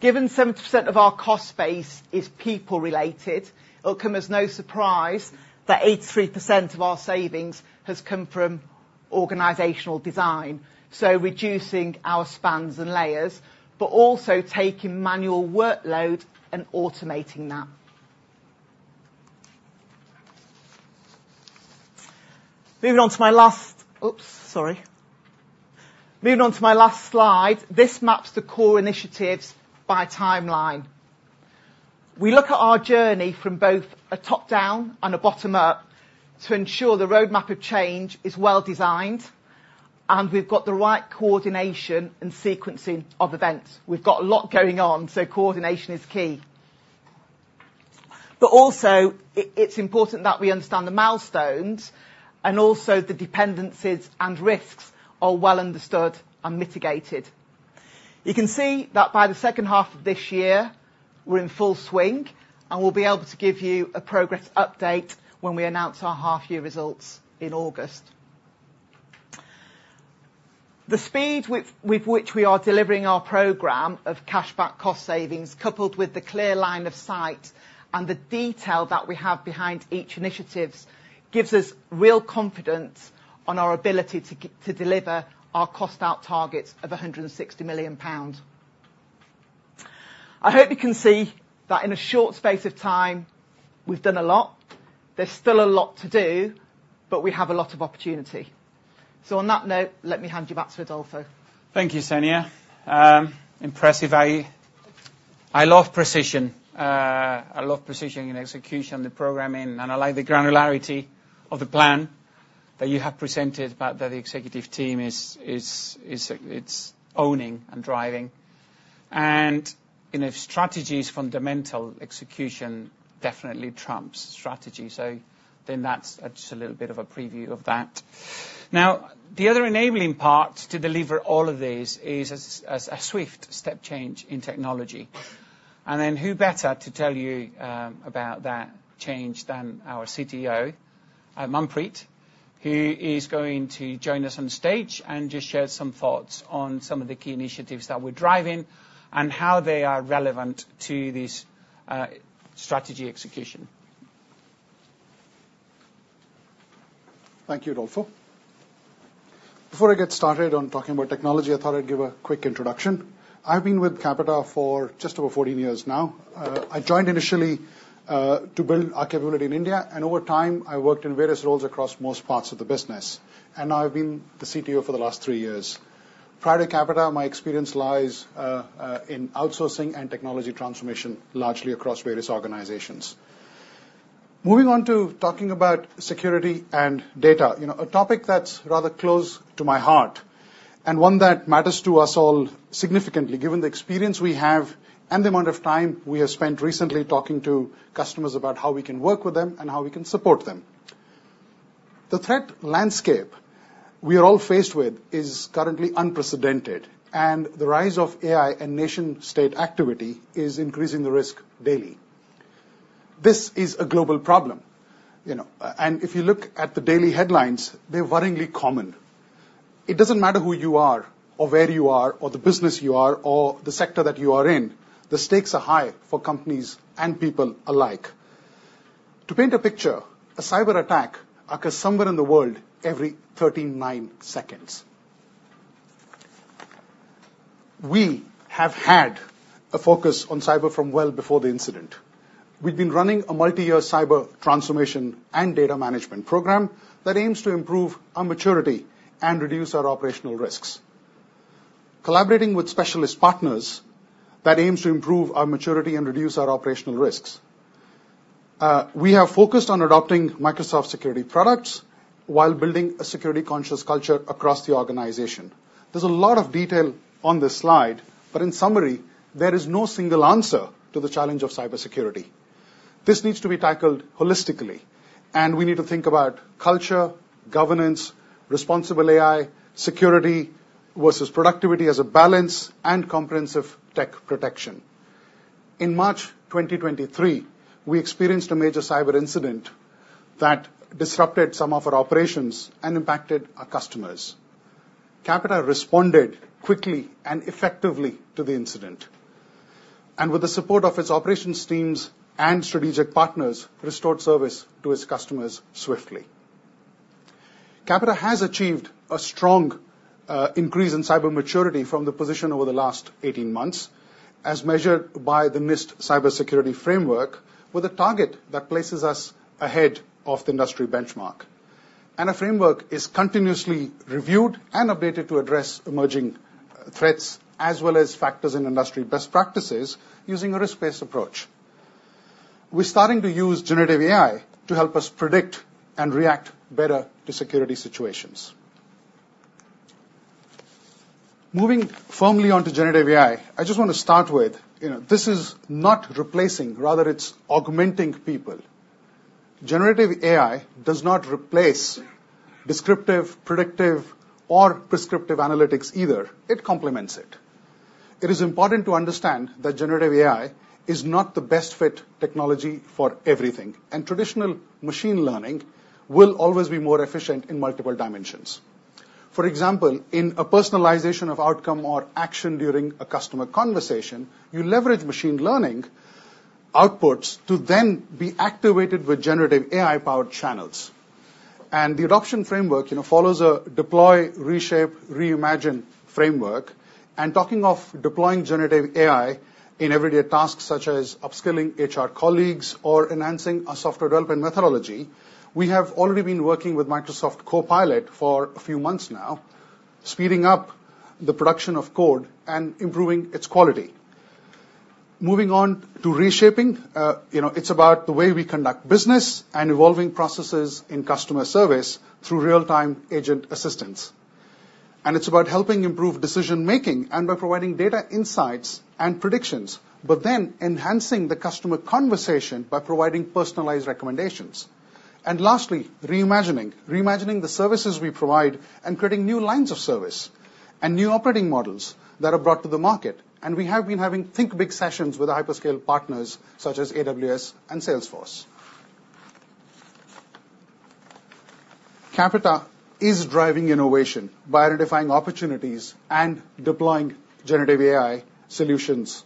Speaker 2: Given 70% of our cost base is people-related, it'll come as no surprise that 83% of our savings has come from organizational design. So reducing our spans and layers, but also taking manual workload and automating that. Moving on to my last... Oops, sorry. Moving on to my last slide, this maps the core initiatives by timeline. We look at our journey from both a top-down and a bottom-up to ensure the roadmap of change is well-designed, and we've got the right coordination and sequencing of events. We've got a lot going on, so coordination is key. But also, it's important that we understand the milestones and also the dependencies and risks are well understood and mitigated. You can see that by the second half of this year, we're in full swing, and we'll be able to give you a progress update when we announce our half-year results in August. The speed with which we are delivering our program of cash back cost savings, coupled with the clear line of sight and the detail that we have behind each initiatives, gives us real confidence on our ability to to deliver our cost out targets of 160 million pounds. I hope you can see that in a short space of time, we've done a lot. There's still a lot to do, but we have a lot of opportunity. So on that note, let me hand you back to Adolfo.
Speaker 1: Thank you, Zenia. Impressive. I love precision. I love precision in execution, the programming, and I like the granularity of the plan that you have presented, but that the executive team is owning and driving. And if strategy is fundamental, execution definitely trumps strategy. So then that's just a little bit of a preview of that. Now, the other enabling part to deliver all of this is a swift step change in technology. And then who better to tell you about that change than our CTO, Manpreet, who is going to join us on stage and just share some thoughts on some of the key initiatives that we're driving and how they are relevant to this strategy execution.
Speaker 3: Thank you, Adolfo. Before I get started on talking about technology, I thought I'd give a quick introduction. I've been with Capita for just over 14 years now. I joined initially to build our capability in India, and over time, I worked in various roles across most parts of the business, and I've been the CTO for the last 3 years. Prior to Capita, my experience lies in outsourcing and technology transformation, largely across various organizations. Moving on to talking about security and data, you know, a topic that's rather close to my heart and one that matters to us all significantly, given the experience we have and the amount of time we have spent recently talking to customers about how we can work with them and how we can support them. The threat landscape we are all faced with is currently unprecedented, and the rise of AI and nation state activity is increasing the risk daily. This is a global problem, you know, and if you look at the daily headlines, they're worryingly common. It doesn't matter who you are or where you are or the business you are or the sector that you are in, the stakes are high for companies and people alike. To paint a picture, a cyberattack occurs somewhere in the world every 39 seconds.... We have had a focus on cyber from well before the incident. We've been running a multi-year cyber transformation and data management program that aims to improve our maturity and reduce our operational risks. Collaborating with specialist partners that aims to improve our maturity and reduce our operational risks. We have focused on adopting Microsoft security products while building a security-conscious culture across the organization. There's a lot of detail on this slide, but in summary, there is no single answer to the challenge of cybersecurity. This needs to be tackled holistically, and we need to think about culture, governance, responsible AI, security versus productivity as a balance, and comprehensive tech protection. In March 2023, we experienced a major cyber incident that disrupted some of our operations and impacted our customers. Capita responded quickly and effectively to the incident, and with the support of its operations teams and strategic partners, restored service to its customers swiftly. Capita has achieved a strong increase in cyber maturity from the position over the last 18 months, as measured by the NIST Cybersecurity Framework, with a target that places us ahead of the industry benchmark. Our framework is continuously reviewed and updated to address emerging threats, as well as factors in industry best practices using a risk-based approach. We're starting to use generative AI to help us predict and react better to security situations. Moving firmly on to generative AI, I just want to start with, you know, this is not replacing, rather, it's augmenting people. Generative AI does not replace descriptive, predictive, or prescriptive analytics either. It complements it. It is important to understand that generative AI is not the best fit technology for everything, and traditional machine learning will always be more efficient in multiple dimensions. For example, in a personalization of outcome or action during a customer conversation, you leverage machine learning outputs to then be activated with generative AI-powered channels. The adoption framework, you know, follows a Deploy, Reshape, Reimagine framework. And talking of deploying generative AI in everyday tasks, such as upskilling HR colleagues or enhancing our software development methodology, we have already been working with Microsoft Copilot for a few months now, speeding up the production of code and improving its quality. Moving on to reshaping, you know, it's about the way we conduct business and evolving processes in customer service through real-time agent assistance. And it's about helping improve decision-making and by providing data insights and predictions, but then enhancing the customer conversation by providing personalized recommendations. And lastly, reimagining. Reimagining the services we provide and creating new lines of service and new operating models that are brought to the market. And we have been having think Big sessions with our hyperscale partners, such as AWS and Salesforce. Capita is driving innovation by identifying opportunities and deploying generative AI solutions.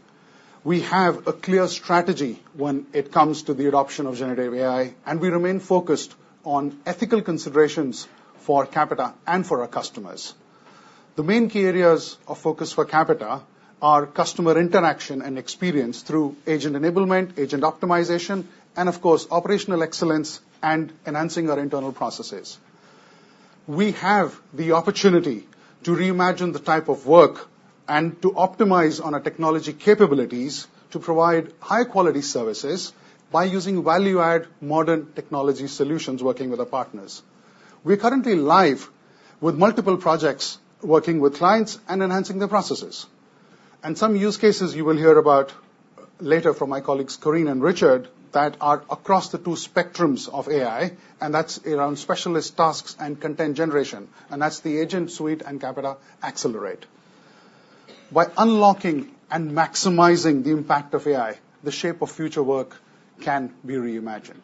Speaker 3: We have a clear strategy when it comes to the adoption of generative AI, and we remain focused on ethical considerations for Capita and for our customers. The main key areas of focus for Capita are customer interaction and experience through agent enablement, agent optimization, and of course, operational excellence and enhancing our internal processes. We have the opportunity to reimagine the type of work and to optimize on our technology capabilities to provide high-quality services by using value-add modern technology solutions, working with our partners. We're currently live with multiple projects, working with clients and enhancing their processes. Some use cases you will hear about later from my colleagues, Corinne and Richard, that are across the two spectrums of AI, and that's around specialist tasks and content generation, and that's the Agent Suite and Capita Accelerate. By unlocking and maximizing the impact of AI, the shape of future work can be reimagined.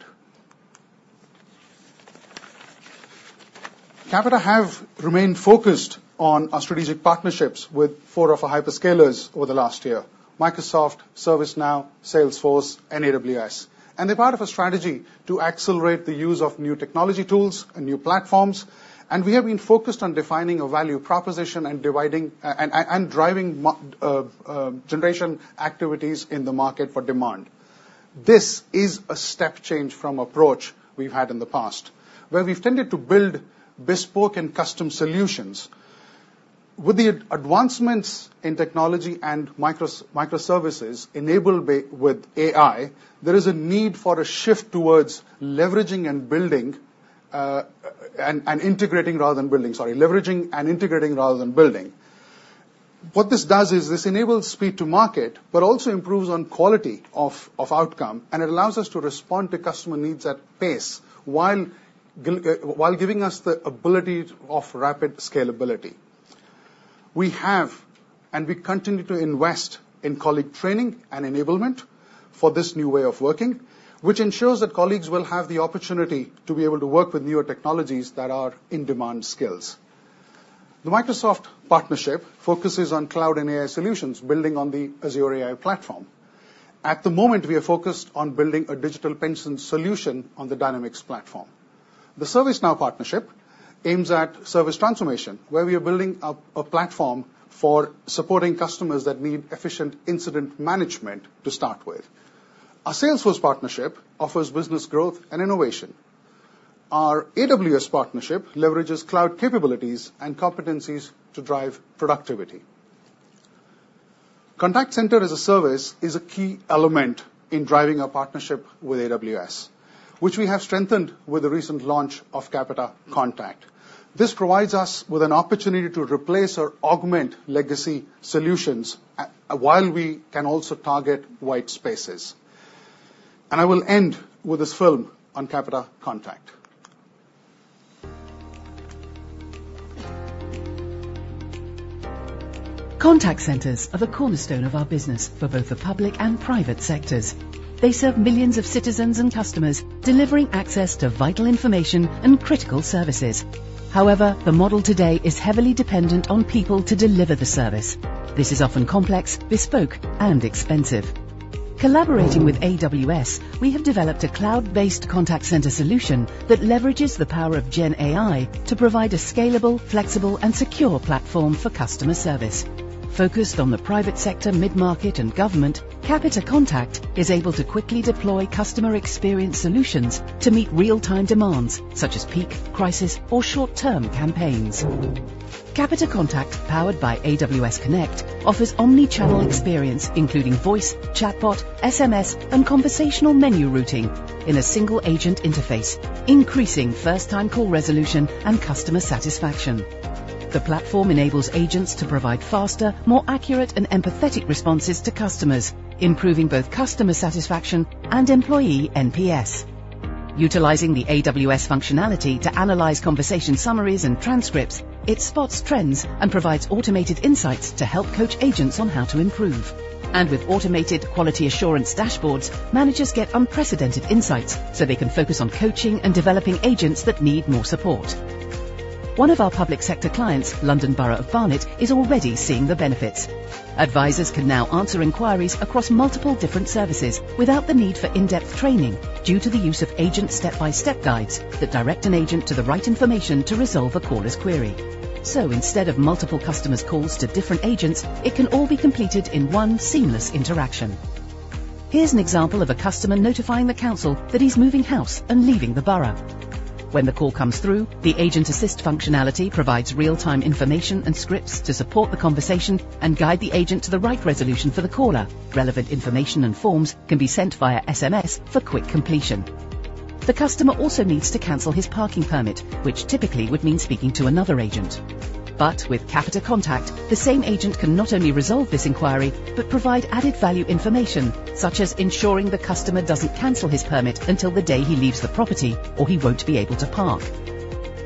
Speaker 3: Capita have remained focused on our strategic partnerships with four of our hyperscalers over the last year, Microsoft, ServiceNow, Salesforce, and AWS. They're part of a strategy to accelerate the use of new technology tools and new platforms, and we have been focused on defining a value proposition and driving generation activities in the market for demand. This is a step change from approach we've had in the past, where we've tended to build bespoke and custom solutions. With the advancements in technology and microservices enabled by AI, there is a need for a shift towards leveraging and integrating rather than building. What this does is this enables speed to market, but also improves on quality of outcome, and it allows us to respond to customer needs at pace, while giving us the ability of rapid scalability. We have, and we continue to invest in colleague training and enablement for this new way of working, which ensures that colleagues will have the opportunity to be able to work with newer technologies that are in-demand skills. The Microsoft partnership focuses on cloud and AI solutions, building on the Azure AI platform. ...At the moment, we are focused on building a digital pension solution on the Dynamics platform. The ServiceNow partnership aims at service transformation, where we are building up a platform for supporting customers that need efficient incident management to start with. Our Salesforce partnership offers business growth and innovation. Our AWS partnership leverages cloud capabilities and competencies to drive productivity. Contact center as a service is a key element in driving our partnership with AWS, which we have strengthened with the recent launch of Capita Contact. This provides us with an opportunity to replace or augment legacy solutions, while we can also target white spaces. And I will end with this film on Capita Contact.
Speaker 4: Contact centers are the cornerstone of our business for both the Public and private sectors. They serve millions of citizens and customers, delivering access to vital information and critical services. However, the model today is heavily dependent on people to deliver the service. This is often complex, bespoke, and expensive. Collaborating with AWS, we have developed a cloud-based contact center solution that leverages the power of GenAI to provide a scalable, flexible and secure platform for customer service. Focused on the private sector, mid-market, and government, Capita Contact is able to quickly deploy customer experience solutions to meet real-time demands such as peak, crisis, or short-term campaigns. Capita Contact, powered by Amazon Connect, offers omni-channel experience, including voice, chatbot, SMS, and conversational menu routing in a single agent interface, increasing first-time call resolution and customer satisfaction. The platform enables agents to provide faster, more accurate, and empathetic responses to customers, improving both customer satisfaction and employee NPS. Utilizing the AWS functionality to analyze conversation summaries and transcripts, it spots trends and provides automated insights to help coach agents on how to improve. With automated quality assurance dashboards, managers get unprecedented insights, so they can focus on coaching and developing agents that need more support. One of our Public sector clients, London Borough of Barnet, is already seeing the benefits. Advisors can now answer inquiries across multiple different services without the need for in-depth training, due to the use of agent step-by-step guides that direct an agent to the right information to resolve a caller's query. Instead of multiple customers' calls to different agents, it can all be completed in one seamless interaction. Here's an example of a customer notifying the council that he's moving house and leaving the borough. When the call comes through, the Agent Assist functionality provides real-time information and scripts to support the conversation and guide the agent to the right resolution for the caller. Relevant information and forms can be sent via SMS for quick completion. The customer also needs to cancel his parking permit, which typically would mean speaking to another agent. But with Capita Contact, the same agent can not only resolve this inquiry, but provide added value information, such as ensuring the customer doesn't cancel his permit until the day he leaves the property, or he won't be able to park.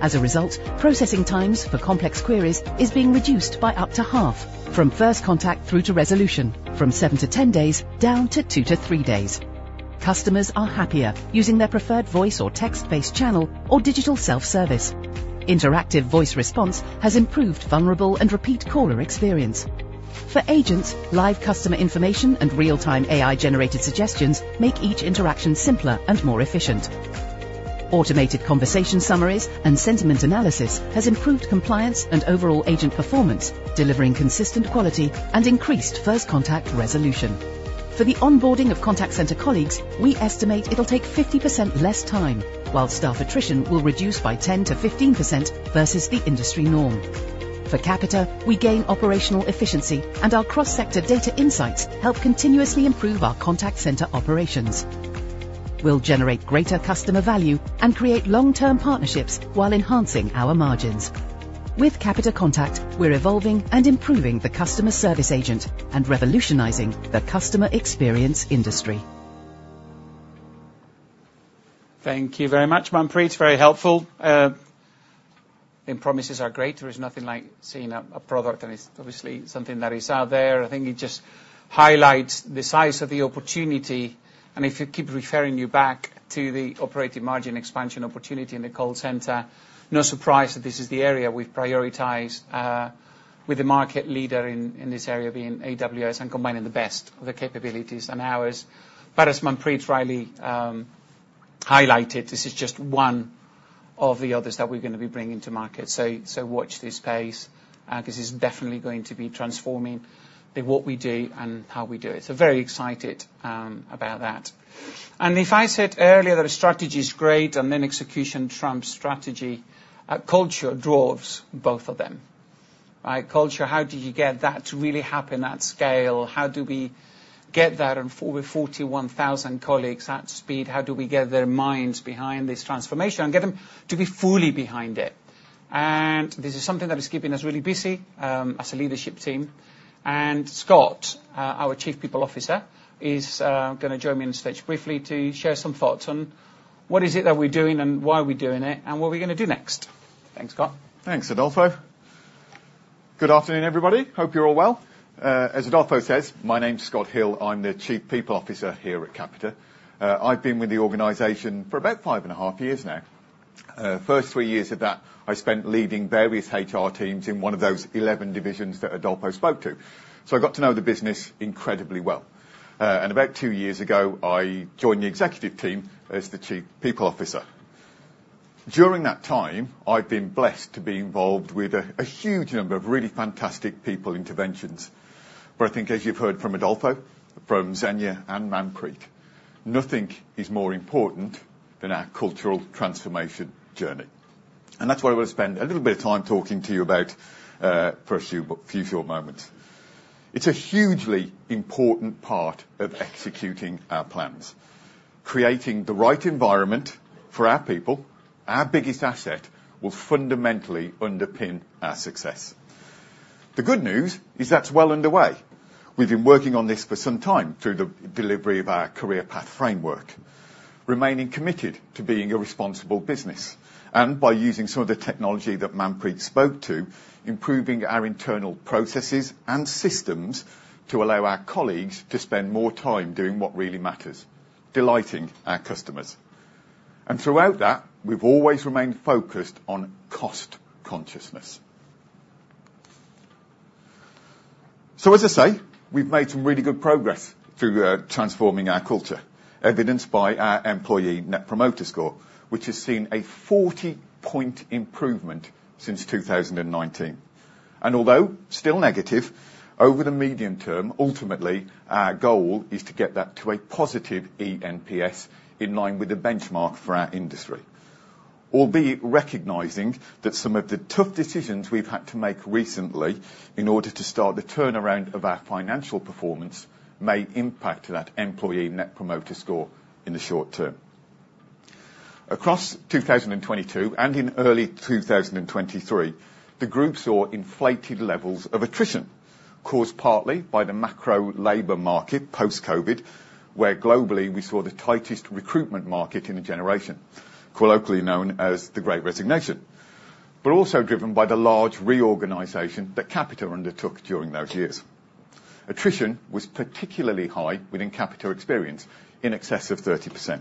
Speaker 4: As a result, processing times for complex queries is being reduced by up to half, from first contact through to resolution, from 7-10 days, down to 2-3 days. Customers are happier using their preferred voice or text-based channel or digital self-service. Interactive voice response has improved vulnerable and repeat caller experience. For agents, live customer information and real-time AI-generated suggestions make each interaction simpler and more efficient. Automated conversation summaries and sentiment analysis has improved compliance and overall agent performance, delivering consistent quality and increased first contact resolution. For the onboarding of contact center colleagues, we estimate it'll take 50% less time, while staff attrition will reduce by 10%-15% versus the industry norm. For Capita, we gain operational efficiency, and our cross-sector data insights help continuously improve our contact center operations. We'll generate greater customer value and create long-term partnerships while enhancing our margins. With Capita Contact, we're evolving and improving the customer service agent and revolutionizing the customer experience industry.
Speaker 1: Thank you very much, Manpreet. Very helpful. And promises are great. There is nothing like seeing a product, and it's obviously something that is out there. I think it just highlights the size of the opportunity, and if you keep referring you back to the operating margin expansion opportunity in the call center, no surprise that this is the area we've prioritized, with the market leader in this area being AWS, and combining the best of their capabilities and ours. But as Manpreet rightly highlighted, this is just one of the others that we're gonna be bringing to market. So watch this space, 'cause it's definitely going to be transforming in what we do and how we do it. So very excited about that. If I said earlier that our strategy is great, and then execution trumps strategy, culture draws both of them, right? Culture, how do you get that to really happen at scale? How do we get that forward with 41,000 colleagues at speed? How do we get their minds behind this transformation and get them to be fully behind it? This is something that is keeping us really busy, as a leadership team. Scott, our Chief People Officer, is gonna join me on stage briefly to share some thoughts on what is it that we're doing and why we're doing it, and what we're gonna do next. Thanks, Scott.
Speaker 5: Thanks, Adolfo. Good afternoon, everybody. Hope you're all well. As Adolfo says, my name's Scott Hill, I'm the Chief People Officer here at Capita. I've been with the organization for about 5.5 years now. First 3 years of that, I spent leading various HR teams in one of those 11 divisions that Adolfo spoke to, so I got to know the business incredibly well. And about 2 years ago, I joined the executive team as the Chief People Officer. During that time, I've been blessed to be involved with a huge number of really fantastic people interventions. But I think, as you've heard from Adolfo, from Zenia, and Manpreet, nothing is more important than our cultural transformation journey, and that's what I want to spend a little bit of time talking to you about, for a few short moments. It's a hugely important part of executing our plans. Creating the right environment for our people, our biggest asset, will fundamentally underpin our success. The good news is that's well underway. We've been working on this for some time through the delivery of our Career Path Framework, remaining committed to being a responsible business, and by using some of the technology that Manpreet spoke to, improving our internal processes and systems to allow our colleagues to spend more time doing what really matters, delighting our customers. And throughout that, we've always remained focused on cost consciousness. So as I say, we've made some really good progress through transforming our culture, evidenced by our employee Net Promoter Score, which has seen a 40-point improvement since 2019. Although still negative, over the medium term, ultimately, our goal is to get that to a positive ENPS, in line with the benchmark for our industry. Albeit recognizing that some of the tough decisions we've had to make recently in order to start the turnaround of our financial performance may impact that employee Net Promoter Score in the short term. Across 2022 and in early 2023, the group saw inflated levels of attrition, caused partly by the macro labor market post-COVID, where globally we saw the tightest recruitment market in a generation, colloquially known as the Great Resignation, but also driven by the large reorganization that Capita undertook during those years. Attrition was particularly high within Capita Experience, in excess of 30%.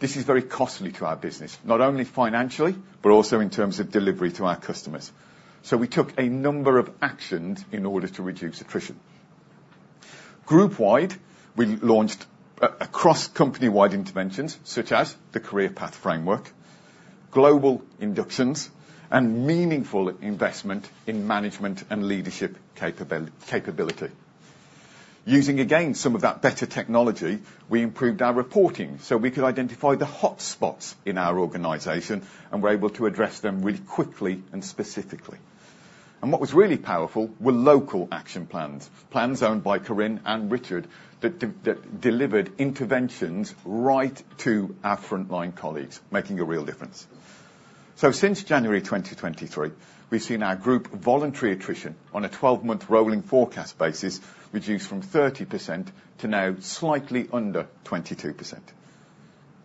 Speaker 5: This is very costly to our business, not only financially, but also in terms of delivery to our customers. So we took a number of actions in order to reduce attrition. Group-wide, we launched across company-wide interventions, such as the Career Path Framework, global inductions, and meaningful investment in management and leadership capability. Using, again, some of that better technology, we improved our reporting, so we could identify the hotspots in our organization and were able to address them really quickly and specifically. What was really powerful were local action plans, plans owned by Corinne and Richard, that delivered interventions right to our frontline colleagues, making a real difference. So since January 2023, we've seen our group voluntary attrition on a twelve-month rolling forecast basis reduced from 30% to now slightly under 22%.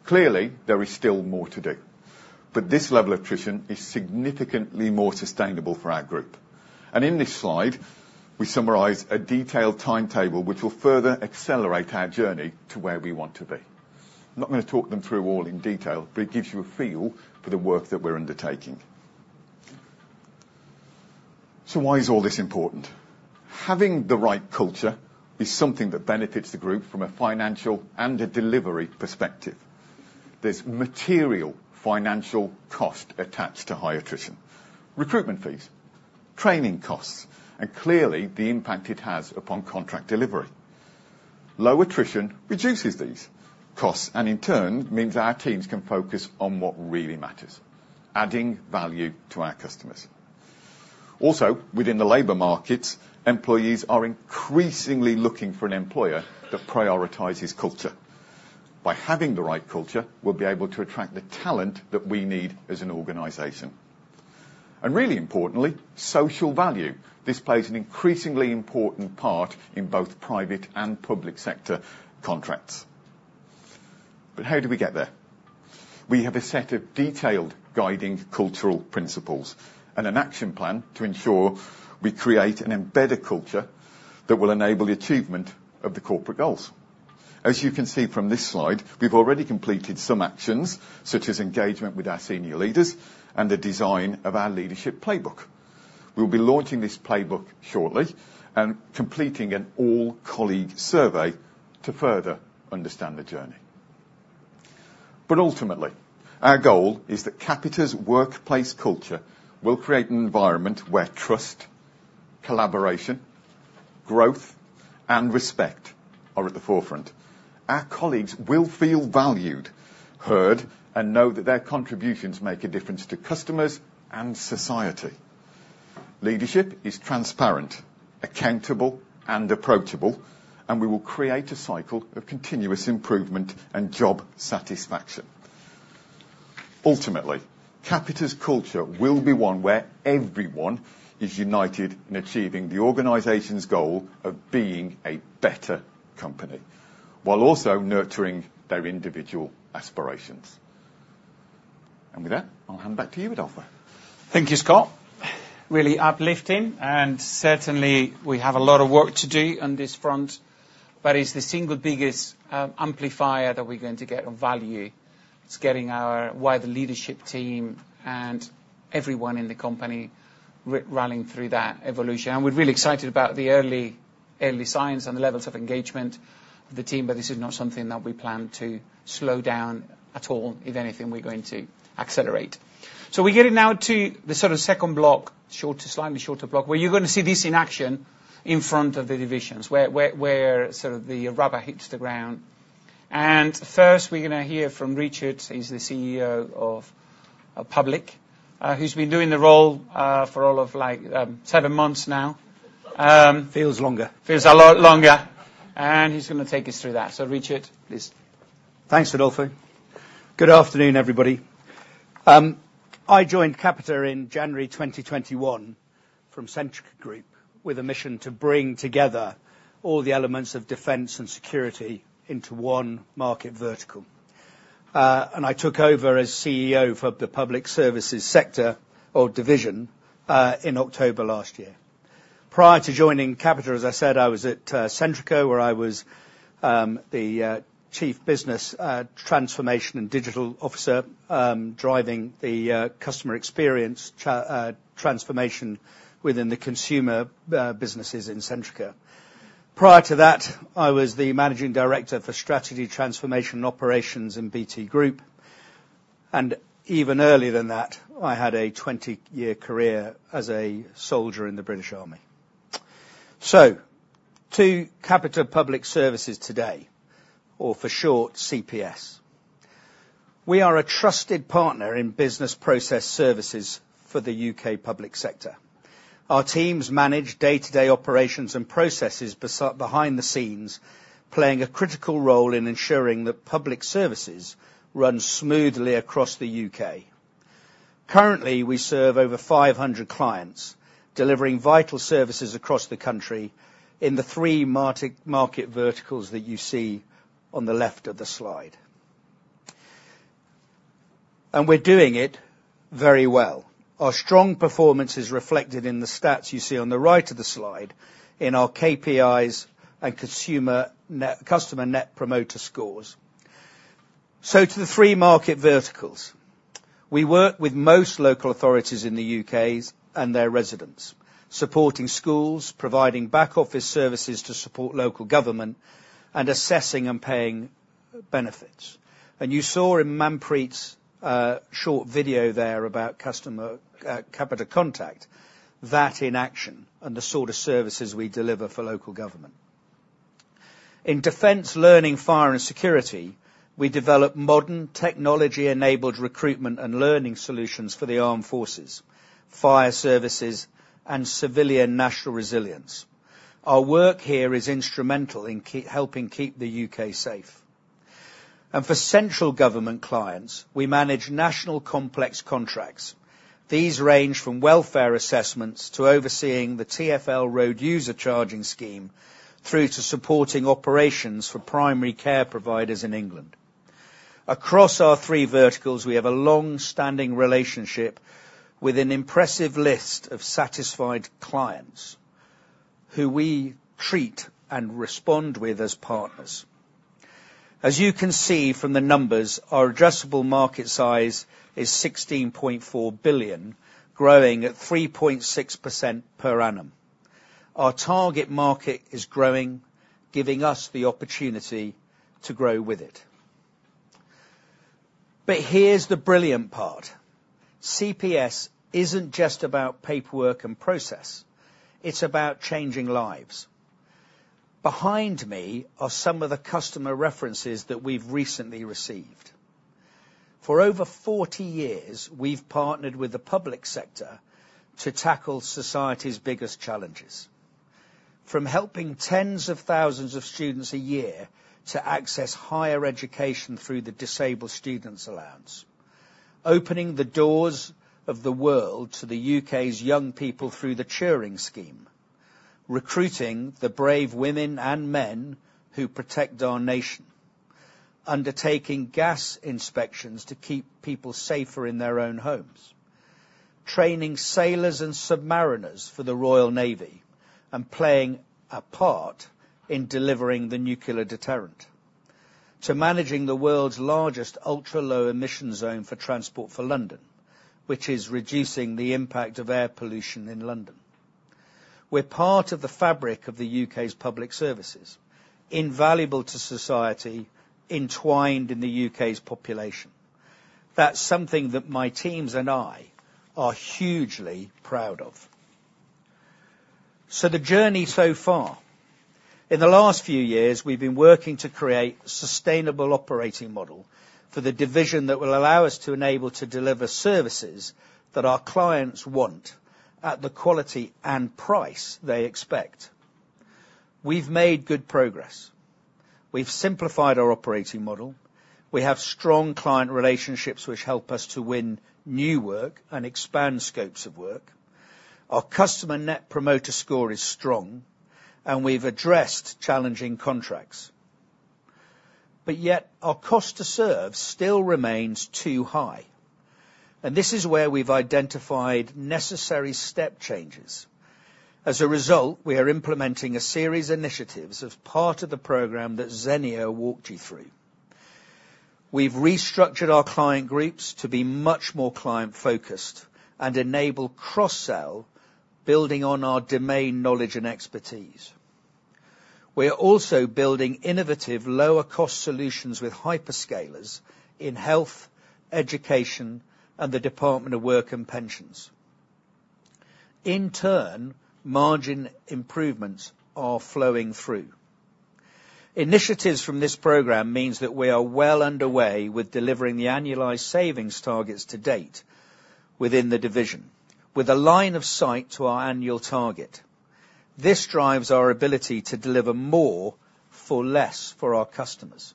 Speaker 5: Clearly, there is still more to do, but this level of attrition is significantly more sustainable for our group. In this slide, we summarize a detailed timetable, which will further accelerate our journey to where we want to be. I'm not going to talk them through all in detail, but it gives you a feel for the work that we're undertaking. Why is all this important? Having the right culture is something that benefits the group from a financial and a delivery perspective. There's material financial cost attached to high attrition, recruitment fees, training costs, and clearly, the impact it has upon contract delivery. Low attrition reduces these costs, and in turn, means our teams can focus on what really matters, adding value to our customers. Also, within the labor markets, employees are increasingly looking for an employer that prioritizes culture. By having the right culture, we'll be able to attract the talent that we need as an organization. Really importantly, social value. This plays an increasingly important part in both private and Public sector contracts. But how do we get there? We have a set of detailed guiding cultural principles and an action plan to ensure we create and embed a culture that will enable the achievement of the corporate goals. As you can see from this slide, we've already completed some actions, such as engagement with our senior leaders and the design of our Leadership Playbook. We'll be launching this playbook shortly and completing an all-colleague survey to further understand the journey. But ultimately, our goal is that Capita's workplace culture will create an environment where trust, collaboration, growth, and respect are at the forefront. Our colleagues will feel valued, heard, and know that their contributions make a difference to customers and society. Leadership is transparent, accountable, and approachable, and we will create a cycle of continuous improvement and job satisfaction. Ultimately, Capita's culture will be one where everyone is united in achieving the organization's goal of being a better company, while also nurturing their individual aspirations. With that, I'll hand back to you, Adolfo.
Speaker 1: Thank you, Scott. Really uplifting, and certainly we have a lot of work to do on this front, but it's the single biggest amplifier that we're going to get of value. It's getting our wider leadership team and everyone in the company running through that evolution. And we're really excited about the early, early signs and the levels of engagement of the team, but this is not something that we plan to slow down at all. If anything, we're going to accelerate. So we get it now to the sort of second block, slightly shorter block, where you're going to see this in action in front of the divisions, where sort of the rubber hits the ground. And first, we're gonna hear from Richard. He's the CEO of Public Service, who's been doing the role for all of, like, seven months now.
Speaker 6: Feels longer.
Speaker 1: Feels a lot longer, and he's gonna take us through that. So Richard, please.
Speaker 6: Thanks, Adolfo. Good afternoon, everybody. I joined Capita in January 2021 from Centrica Group, with a mission to bring together all the elements of defense and security into one market vertical. And I took over as CEO for the Public services sector, or division, in October last year. Prior to joining Capita, as I said, I was at Centrica, where I was the chief business transformation and digital officer, driving the customer experience transformation within the consumer businesses in Centrica. Prior to that, I was the managing director for strategy transformation operations in BT Group, and even earlier than that, I had a 20-year career as a soldier in the British Army. So to Capita Public Services today, or for short, CPS. We are a trusted partner in business process services for the UK Public sector. Our teams manage day-to-day operations and processes behind the scenes, playing a critical role in ensuring that Public services run smoothly across the UK. Currently, we serve over 500 clients, delivering vital services across the country in the three market verticals that you see on the left of the slide. And we're doing it very well. Our strong performance is reflected in the stats you see on the right of the slide in our KPIs and customer net promoter scores. So to the three market verticals. We work with most local authorities in the UK and their residents, supporting schools, providing back-office services to support local government, and assessing and paying benefits. And you saw in Manpreet's short video there about customer Capita Contact, that in action and the sort of services we deliver for local government. In defense, learning, fire, and security, we develop modern technology-enabled recruitment and learning solutions for the armed forces, fire services, and civilian national resilience. Our work here is instrumental in helping keep the U.K. safe. And for central government clients, we manage national complex contracts. These range from welfare assessments to overseeing the TfL road user charging scheme, through to supporting operations for primary care providers in England. Across our three verticals, we have a long-standing relationship with an impressive list of satisfied clients, who we treat and respond with as partners. As you can see from the numbers, our addressable market size is 16.4 billion, growing at 3.6% per annum. Our target market is growing, giving us the opportunity to grow with it. But here's the brilliant part: CPS isn't just about paperwork and process, it's about changing lives. Behind me are some of the customer references that we've recently received. For over forty years, we've partnered with the Public sector to tackle society's biggest challenges, from helping tens of thousands of students a year to access higher education through the Disabled Students' Allowance, opening the doors of the world to the UK's young people through the Turing Scheme, recruiting the brave women and men who protect our nation, undertaking gas inspections to keep people safer in their own homes, training sailors and submariners for the Royal Navy, and playing a part in delivering the nuclear deterrent, to managing the world's largest Ultra Low Emission Zone for Transport for London, which is reducing the impact of air pollution in London. We're part of the fabric of the UK's Public services, invaluable to society, entwined in the UK's population. That's something that my teams and I are hugely proud of. The journey so far. In the last few years, we've been working to create a sustainable operating model for the division that will allow us to enable to deliver services that our clients want at the quality and price they expect. We've made good progress. We've simplified our operating model. We have strong client relationships, which help us to win new work and expand scopes of work. Our customer net promoter score is strong, and we've addressed challenging contracts... but yet our cost to serve still remains too high, and this is where we've identified necessary step changes. As a result, we are implementing a series of initiatives as part of the program that Zenia walked you through. We've restructured our client groups to be much more client-focused and enable cross-sell, building on our domain knowledge and expertise. We are also building innovative, lower-cost solutions with hyperscalers in health, education, and the Department for Work and Pensions. In turn, margin improvements are flowing through. Initiatives from this program means that we are well underway with delivering the annualized savings targets to date within the division, with a line of sight to our annual target. This drives our ability to deliver more for less for our customers.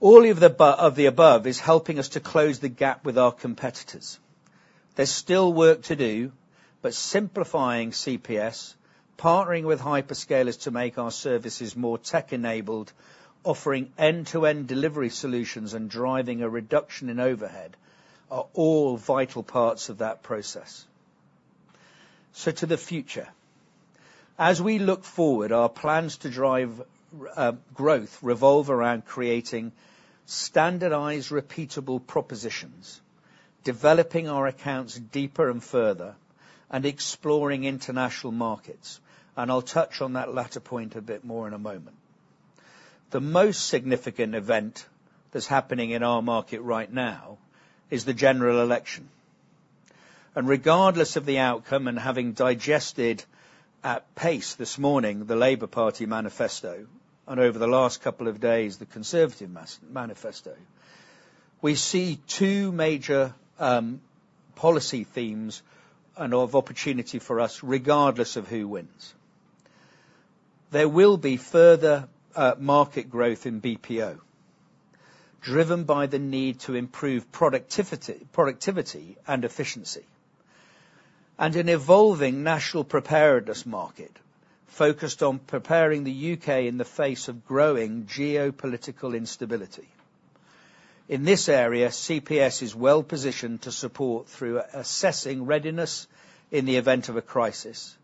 Speaker 6: All of the above is helping us to close the gap with our competitors. There's still work to do, but simplifying CPS, partnering with hyperscalers to make our services more tech-enabled, offering end-to-end delivery solutions, and driving a reduction in overhead are all vital parts of that process. So to the future. As we look forward, our plans to drive growth revolve around creating standardized, repeatable propositions, developing our accounts deeper and further, and exploring international markets, and I'll touch on that latter point a bit more in a moment. The most significant event that's happening in our market right now is the general election, and regardless of the outcome, and having digested at pace this morning, the Labour Party manifesto, and over the last couple of days, the Conservative manifesto, we see two major policy themes of opportunity for us, regardless of who wins. There will be further market growth in BPO, driven by the need to improve productivity and efficiency, and an evolving national preparedness market focused on preparing the U.K. in the face of growing geopolitical instability. In this area, CPS is well-positioned to support through assessing readiness in the event of a crisis,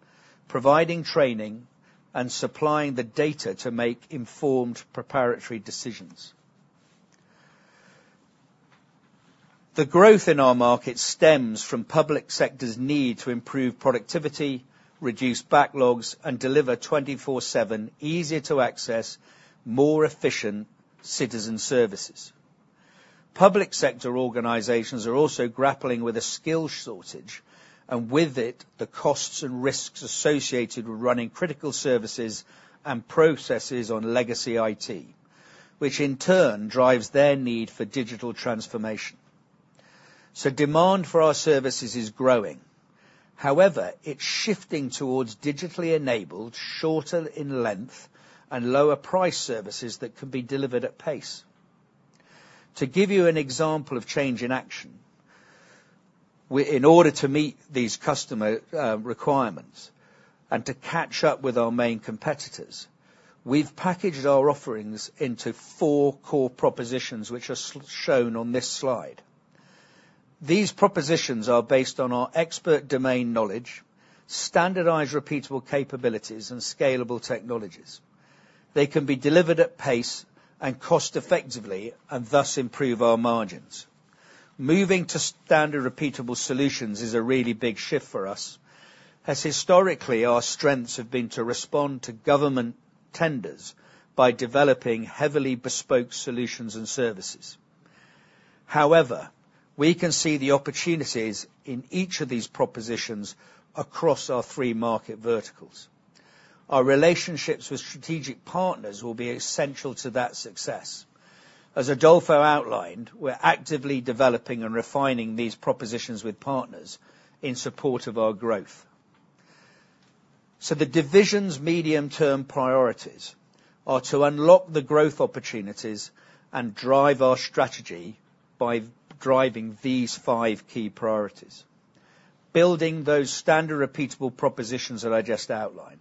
Speaker 6: providing training, and supplying the data to make informed preparatory decisions. The growth in our market stems from Public sector's need to improve productivity, reduce backlogs, and deliver 24/7, easier to access, more efficient citizen services. Public sector organizations are also grappling with a skills shortage, and with it, the costs and risks associated with running critical services and processes on legacy IT, which in turn drives their need for digital transformation. So demand for our services is growing. However, it's shifting towards digitally enabled, shorter in length, and lower price services that can be delivered at pace. To give you an example of change in action, we in order to meet these customer requirements and to catch up with our main competitors, we've packaged our offerings into four core propositions, which are shown on this slide. These propositions are based on our expert domain knowledge, standardized, repeatable capabilities, and scalable technologies. They can be delivered at pace and cost-effectively, and thus, improve our margins. Moving to standard repeatable solutions is a really big shift for us, as historically, our strengths have been to respond to government tenders by developing heavily bespoke solutions and services. However, we can see the opportunities in each of these propositions across our three market verticals. Our relationships with strategic partners will be essential to that success. As Adolfo outlined, we're actively developing and refining these propositions with partners in support of our growth. So the division's medium-term priorities are to unlock the growth opportunities and drive our strategy by driving these five key priorities: building those standard, repeatable propositions that I just outlined,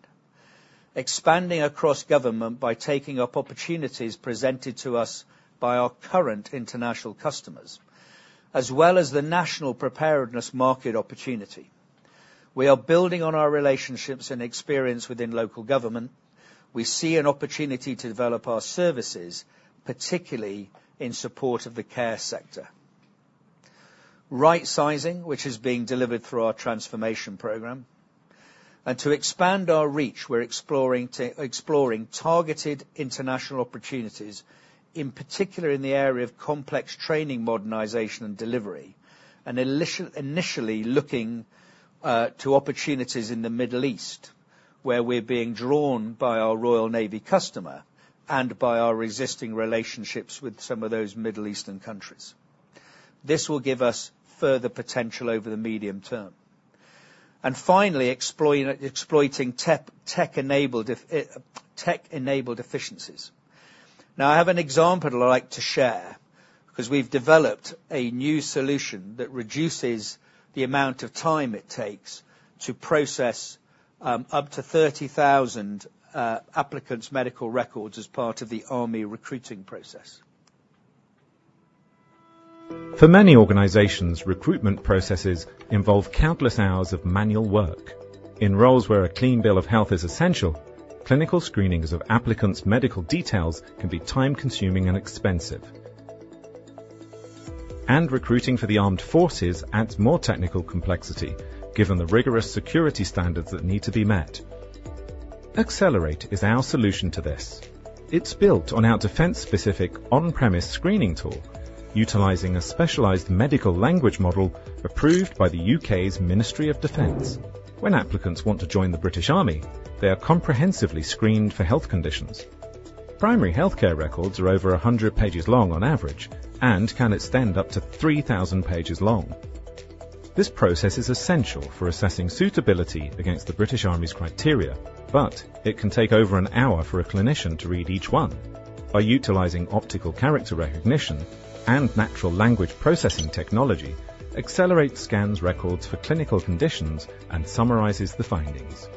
Speaker 6: expanding across government by taking up opportunities presented to us by our current international customers, as well as the national preparedness market opportunity. We are building on our relationships and experience within local government. We see an opportunity to develop our services, particularly in support of the care sector. Right sizing, which is being delivered through our transformation program. And to expand our reach, we're exploring exploring targeted international opportunities, in particular in the area of complex training, modernization, and delivery, and initially, looking to opportunities in the Middle East, where we're being drawn by our Royal Navy customer and by our existing relationships with some of those Middle Eastern countries. This will give us further potential over the medium term. And finally, exploiting tech-enabled efficiencies. Now, I have an example that I'd like to share, 'cause we've developed a new solution that reduces the amount of time it takes to process up to 30,000 applicants' medical records as part of the army recruiting process.
Speaker 4: For many organizations, recruitment processes involve countless hours of manual work. In roles where a clean bill of health is essential, clinical screenings of applicants' medical details can be time-consuming and expensive. Recruiting for the armed forces adds more technical complexity, given the rigorous security standards that need to be met. Accelerate is our solution to this. It's built on our defense-specific on-premise screening tool, utilizing a specialized medical language model approved by the UK's Ministry of Defence. When applicants want to join the British Army, they are comprehensively screened for health conditions. Primary healthcare records are over 100 pages long on average and can extend up to 3,000 pages long. This process is essential for assessing suitability against the British Army's criteria, but it can take over an hour for a clinician to read each one. By utilizing optical character recognition and natural language processing technology, Accelerate scans records for clinical conditions and summarizes the findings.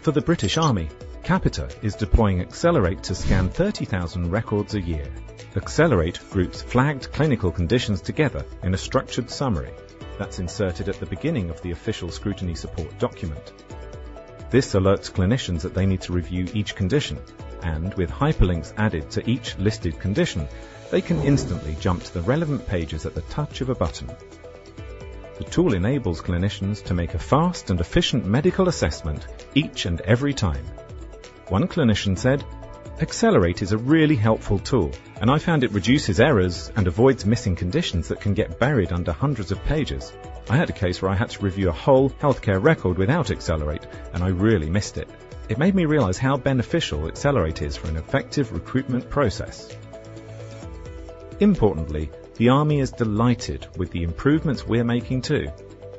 Speaker 4: For the British Army, Capita is deploying Accelerate to scan 30,000 records a year. Accelerate groups flagged clinical conditions together in a structured summary that's inserted at the beginning of the official scrutiny support document. This alerts clinicians that they need to review each condition, and with hyperlinks added to each listed condition, they can instantly jump to the relevant pages at the touch of a button. The tool enables clinicians to make a fast and efficient medical assessment each and every time. One clinician said, "Accelerate is a really helpful tool, and I found it reduces errors and avoids missing conditions that can get buried under hundreds of pages. I had a case where I had to review a whole healthcare record without Accelerate, and I really missed it. It made me realize how beneficial Accelerate is for an effective recruitment process." Importantly, the Army is delighted with the improvements we're making, too.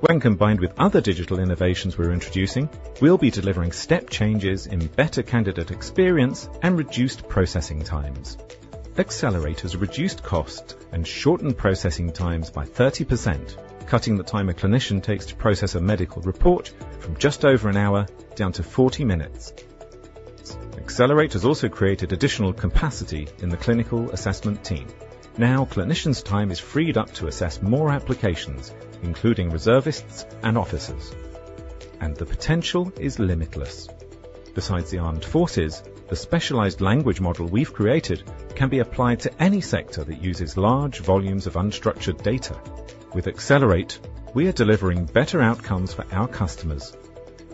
Speaker 4: When combined with other digital innovations we're introducing, we'll be delivering step changes in better candidate experience and reduced processing times. Accelerate has reduced cost and shortened processing times by 30%, cutting the time a clinician takes to process a medical report from just over an hour down to 40 minutes. Accelerate has also created additional capacity in the clinical assessment team. Now, clinicians' time is freed up to assess more applications, including reservists and officers, and the potential is limitless. Besides the armed forces, the specialized language model we've created can be applied to any sector that uses large volumes of unstructured data. With Accelerate, we are delivering better outcomes for our customers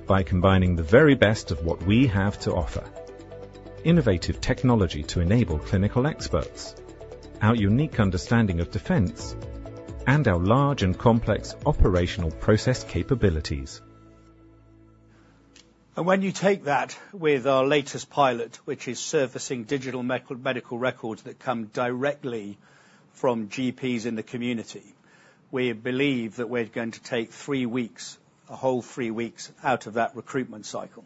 Speaker 4: by combining the very best of what we have to offer: innovative technology to enable clinical experts, our unique understanding of defense, and our large and complex operational process capabilities.
Speaker 6: And when you take that with our latest pilot, which is servicing digital medical, medical records that come directly from GPs in the community, we believe that we're going to take 3 weeks, a whole 3 weeks, out of that recruitment cycle.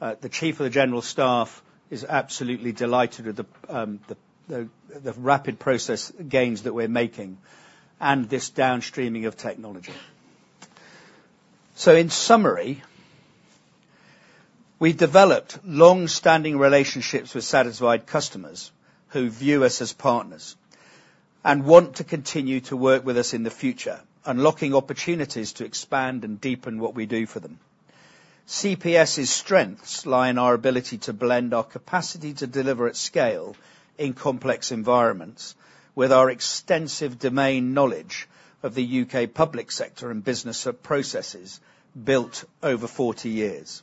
Speaker 6: The Chief of the General Staff is absolutely delighted with the rapid process gains that we're making and this downstreaming of technology. So in summary, we've developed long-standing relationships with satisfied customers who view us as partners and want to continue to work with us in the future, unlocking opportunities to expand and deepen what we do for them. CPS's strengths lie in our ability to blend our capacity to deliver at scale in complex environments, with our extensive domain knowledge of the UK Public sector and business processes built over 40 years.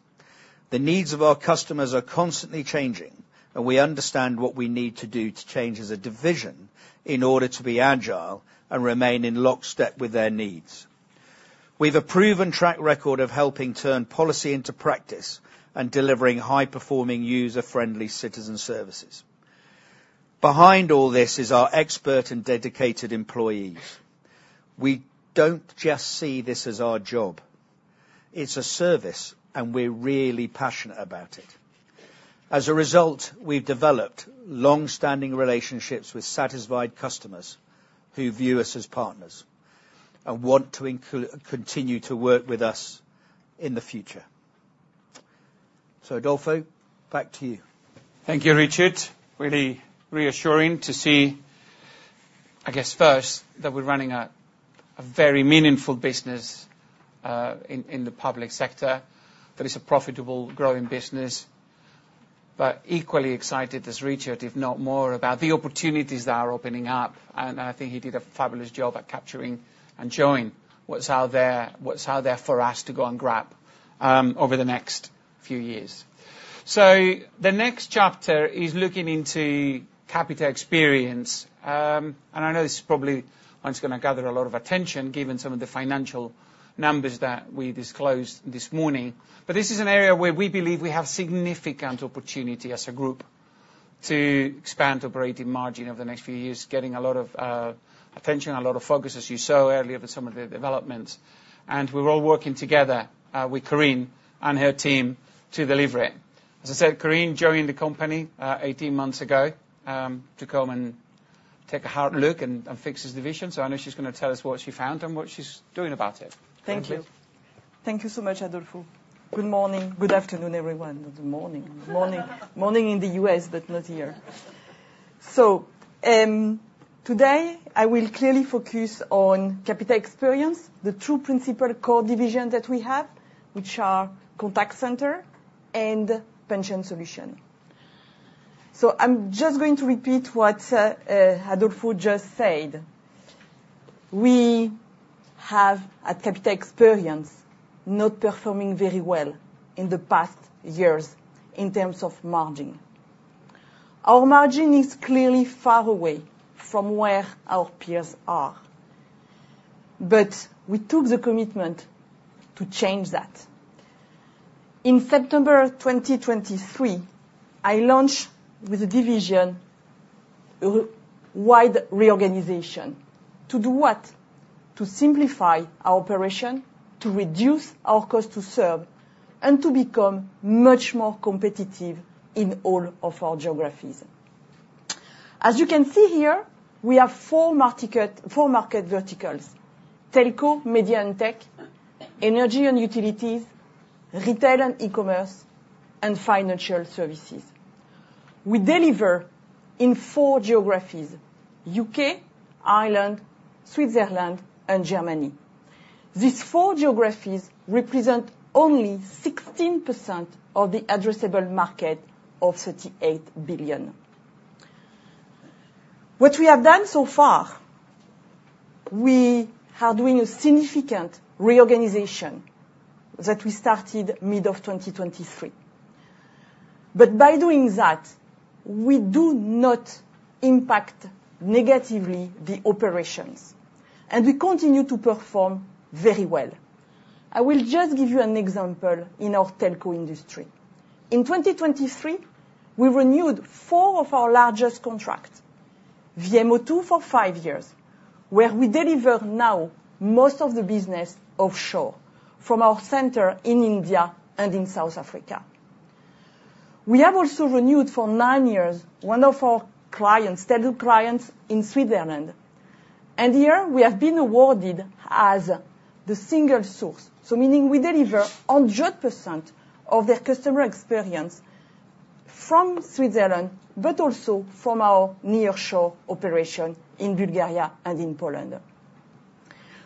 Speaker 6: The needs of our customers are constantly changing, and we understand what we need to do to change as a division in order to be agile and remain in lockstep with their needs. We've a proven track record of helping turn policy into practice and delivering high-performing, user-friendly citizen services. Behind all this is our expert and dedicated employees. We don't just see this as our job. It's a service, and we're really passionate about it. As a result, we've developed long-standing relationships with satisfied customers who view us as partners and want to continue to work with us in the future. So Adolfo, back to you.
Speaker 1: Thank you, Richard. Really reassuring to see, I guess, first, that we're running a very meaningful business in the Public sector, that is a profitable, growing business. But equally excited as Richard, if not more, about the opportunities that are opening up, and I think he did a fabulous job at capturing and showing what's out there, what's out there for us to go and grab, over the next few years. The next chapter is looking into Capita Experience. And I know this is probably one that's gonna gather a lot of attention, given some of the financial numbers that we disclosed this morning. But this is an area where we believe we have significant opportunity as a group to expand operating margin over the next few years, getting a lot of attention and a lot of focus, as you saw earlier with some of the developments. And we're all working together with Corinne and her team to deliver it.... As I said, Corinne joined the company 18 months ago, to come and take a hard look and fix this division. So I know she's gonna tell us what she found and what she's doing about it.
Speaker 7: Thank you.
Speaker 1: Thank you.
Speaker 7: Thank you so much, Adolfo. Good morning. Good afternoon, everyone. Good morning. Morning. Morning in the US, but not here. So, today, I will clearly focus on Capita Experience, the two principal core division that we have, which are contact center and pension solution. So I'm just going to repeat what Adolfo just said. We have, at Capita Experience, not performing very well in the past years in terms of margin. Our margin is clearly far away from where our peers are, but we took the commitment to change that. In September 2023, I launched with the division a wide reorganization. To do what? To simplify our operation, to reduce our cost to serve, and to become much more competitive in all of our geographies. As you can see here, we have 4 market verticals: telco, media and tech, energy and utilities, retail and e-commerce, and financial services. We deliver in 4 geographies: UK, Ireland, Switzerland, and Germany. These 4 geographies represent only 16% of the addressable market of 38 billion. What we have done so far, we are doing a significant reorganization that we started mid-2023. But by doing that, we do not impact negatively the operations, and we continue to perform very well. I will just give you an example in our telco industry. In 2023, we renewed 4 of our largest contracts, Virgin Media O2 for 5 years, where we deliver now most of the business offshore from our center in India and in South Africa. We have also renewed for 9 years, one of our clients, steady clients, in Switzerland, and here we have been awarded as the single source. So meaning we deliver 100% of their customer experience from Switzerland, but also from our nearshore operation in Bulgaria and in Poland.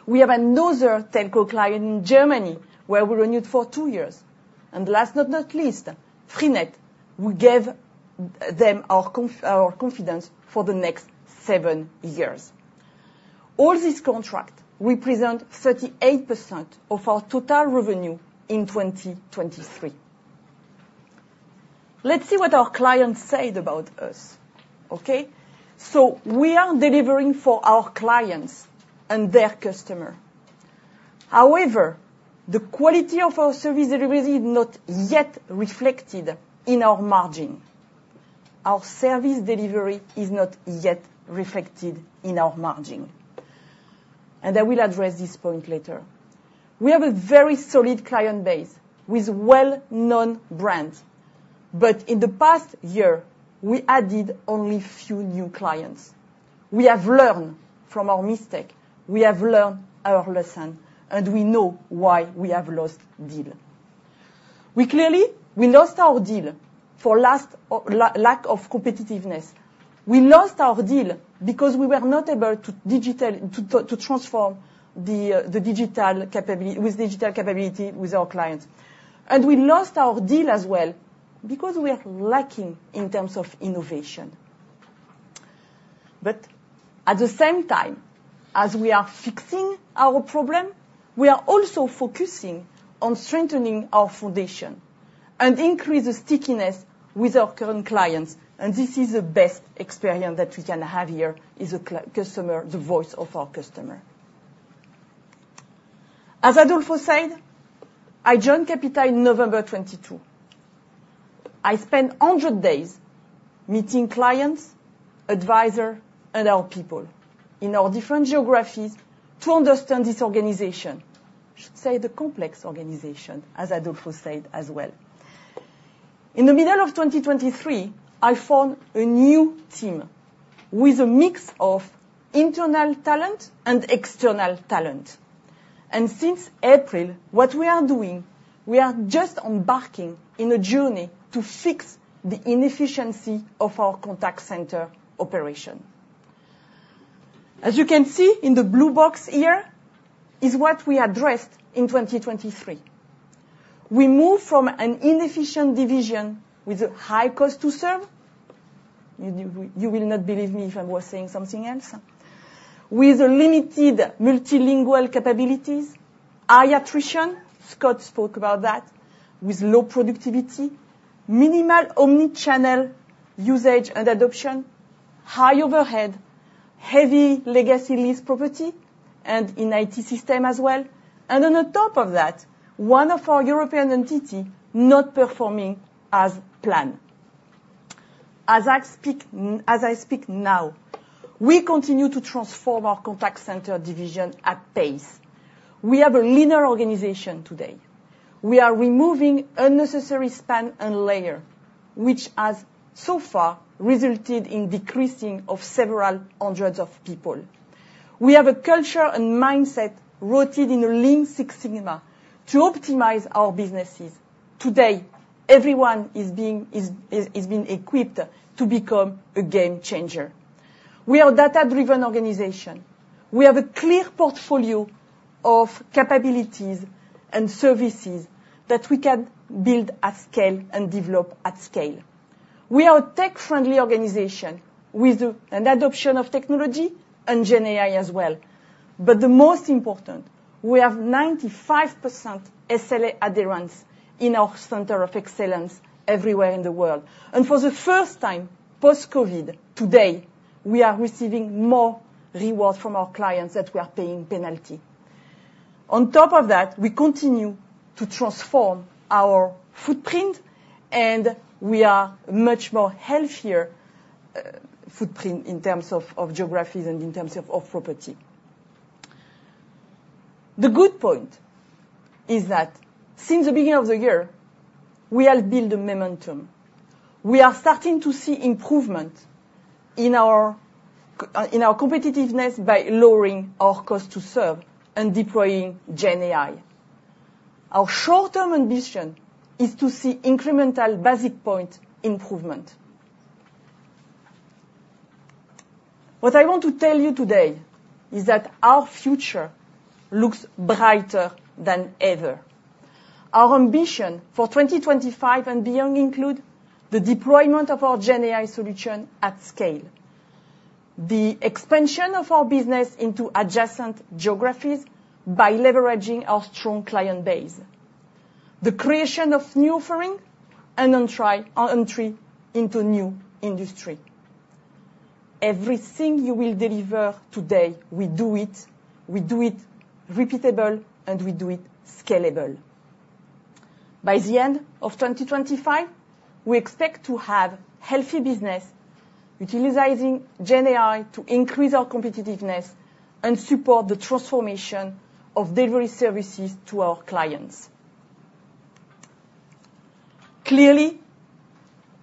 Speaker 7: We have another telco client in Germany, where we renewed for 2 years. And last, but not least, Freenet, we gave them our confidence for the next 7 years. All these contracts represent 38% of our total revenue in 2023. Let's see what our clients said about us, okay? So we are delivering for our clients and their customer. However, the quality of our service delivery is not yet reflected in our margin. Our service delivery is not yet reflected in our margin, and I will address this point later. We have a very solid client base with well-known brands, but in the past year, we added only few new clients. We have learned from our mistake, we have learned our lesson, and we know why we have lost deal. We clearly lost our deal for lack of competitiveness. We lost our deal because we were not able to digitally transform the digital capability with our clients. And we lost our deal as well because we are lacking in terms of innovation. But at the same time, as we are fixing our problem, we are also focusing on strengthening our foundation and increase the stickiness with our current clients, and this is the best experience that we can have here, is a client, the voice of our customer. As Adolfo said, I joined Capita in November 2022. I spent 100 days meeting clients, advisor, and our people in our different geographies to understand this organization. I should say, the complex organization, as Adolfo said as well. In the middle of 2023, I formed a new team with a mix of internal talent and external talent, and since April, what we are doing, we are just embarking in a journey to fix the inefficiency of our contact center operation. As you can see in the blue box here, is what we addressed in 2023. We moved from an inefficient division with a high cost to serve. You, you, you will not believe me if I was saying something else. With limited multilingual capabilities, high attrition, Scott spoke about that, with low productivity, minimal omni-channel usage and adoption, high overhead, heavy legacy lease property, and in IT system as well. On top of that, one of our European entity not performing as planned. As I speak now, we continue to transform our contact center division at pace. We have a leaner organization today. We are removing unnecessary span and layer, which has so far resulted in decreasing of several hundreds of people. We have a culture and mindset rooted in Lean Six Sigma to optimize our businesses. Today, everyone is being equipped to become a game changer. We are a data-driven organization. We have a clear portfolio of capabilities and services that we can build at scale and develop at scale. We are a tech-friendly organization with an adoption of technology and GenAI as well, but the most important, we have 95% SLA adherence in our center of excellence everywhere in the world. For the first time, post-COVID, today, we are receiving more rewards from our clients that we are paying penalty. On top of that, we continue to transform our footprint, and we are much more healthier footprint in terms of geographies and in terms of property. The good point is that since the beginning of the year, we have built a momentum. We are starting to see improvement in our competitiveness by lowering our cost to serve and deploying GenAI. Our short-term ambition is to see incremental basis point improvement. What I want to tell you today is that our future looks brighter than ever. Our ambition for 2025 and beyond include the deployment of our GenAI solution at scale, the expansion of our business into adjacent geographies by leveraging our strong client base, the creation of new offering, and entry, our entry into new industry. Everything you will deliver today, we do it, we do it repeatable, and we do it scalable. By the end of 2025, we expect to have healthy business utilizing GenAI to increase our competitiveness and support the transformation of delivery services to our clients. Clearly,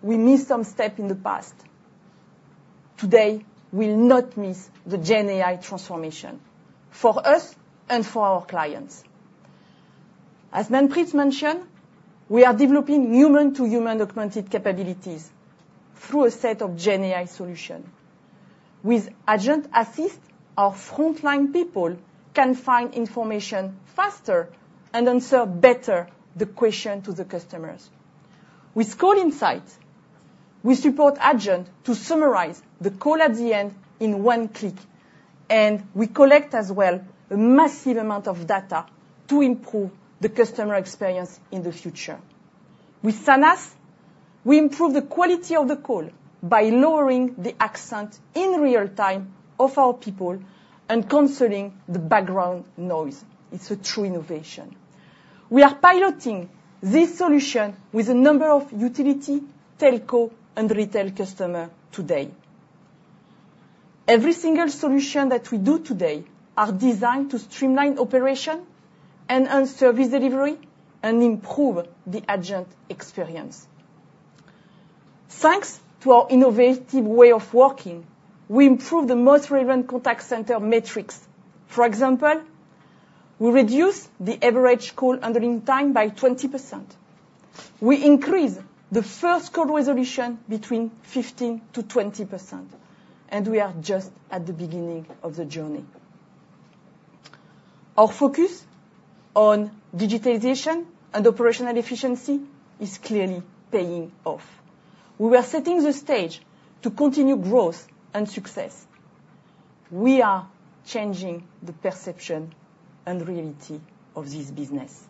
Speaker 7: we missed some step in the past. Today, we'll not miss the GenAI transformation for us and for our clients. As Manpreet mentioned, we are developing human-to-human augmented capabilities through a set of GenAI solution. With Agent Assist, our frontline people can find information faster and answer better the question to the customers. With Call Insight, we support agent to summarize the call at the end in one click, and we collect as well a massive amount of data to improve the customer experience in the future. With Sanas, we improve the quality of the call by lowering the accent in real time of our people and canceling the background noise. It's a true innovation. We are piloting this solution with a number of utility, telco, and retail customer today. Every single solution that we do today are designed to streamline operation and service delivery and improve the agent experience. Thanks to our innovative way of working, we improve the most relevant contact center metrics. For example, we reduce the average call handling time by 20%. We increase the first call resolution between 15%-20%, and we are just at the beginning of the journey. Our focus on digitization and operational efficiency is clearly paying off. We are setting the stage to continue growth and success. We are changing the perception and reality of this business.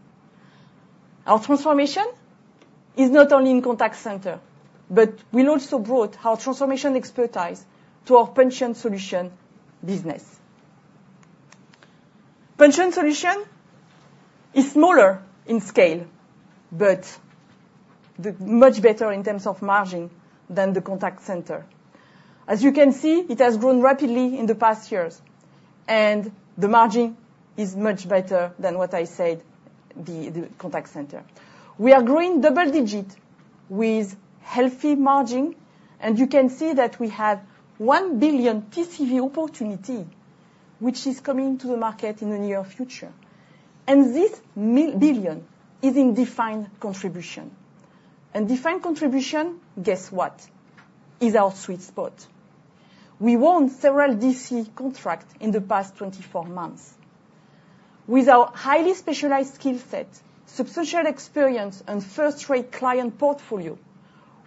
Speaker 7: Our transformation is not only in contact center, but we also brought our transformation expertise to our pension solution business. Pension solution is smaller in scale, but much better in terms of margin than the contact center. As you can see, it has grown rapidly in the past years, and the margin is much better than what I said, the contact center. We are growing double-digit with healthy margin, and you can see that we have 1 billion TCV opportunity, which is coming to the market in the near future. And this 1 billion is in defined contribution. And defined contribution, guess what? Is our sweet spot. We won several DC contracts in the past 24 months. With our highly specialized skill set, substantial experience, and first-rate client portfolio,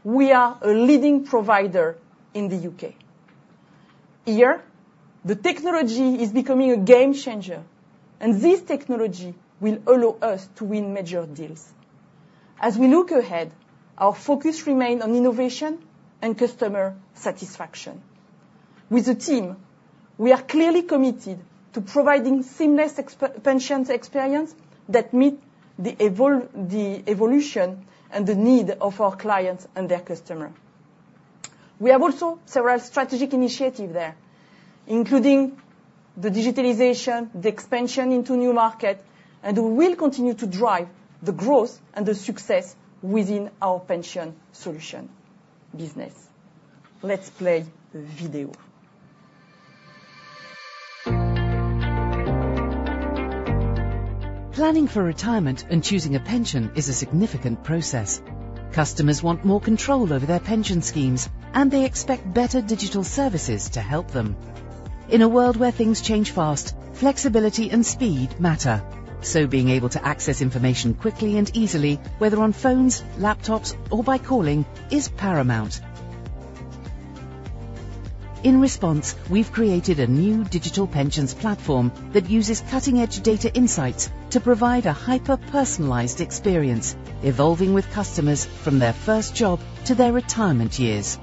Speaker 7: we are a leading provider in the UK. Here, the technology is becoming a game changer, and this technology will allow us to win major deals. As we look ahead, our focus remain on innovation and customer satisfaction. With the team, we are clearly committed to providing seamless pensions experience that meet the evolving needs of our clients and their customers. We have also several strategic initiatives there, including the digitalization, the expansion into new markets, and we will continue to drive the growth and the success within our pension solutions business. Let's play the video.
Speaker 4: Planning for retirement and choosing a pension is a significant process. Customers want more control over their pension schemes, and they expect better digital services to help them. In a world where things change fast, flexibility and speed matter, so being able to access information quickly and easily, whether on phones, laptops or by calling, is paramount. In response, we've created a new digital pensions platform that uses cutting-edge data insights to provide a hyper-personalized experience, evolving with customers from their first job to their retirement years.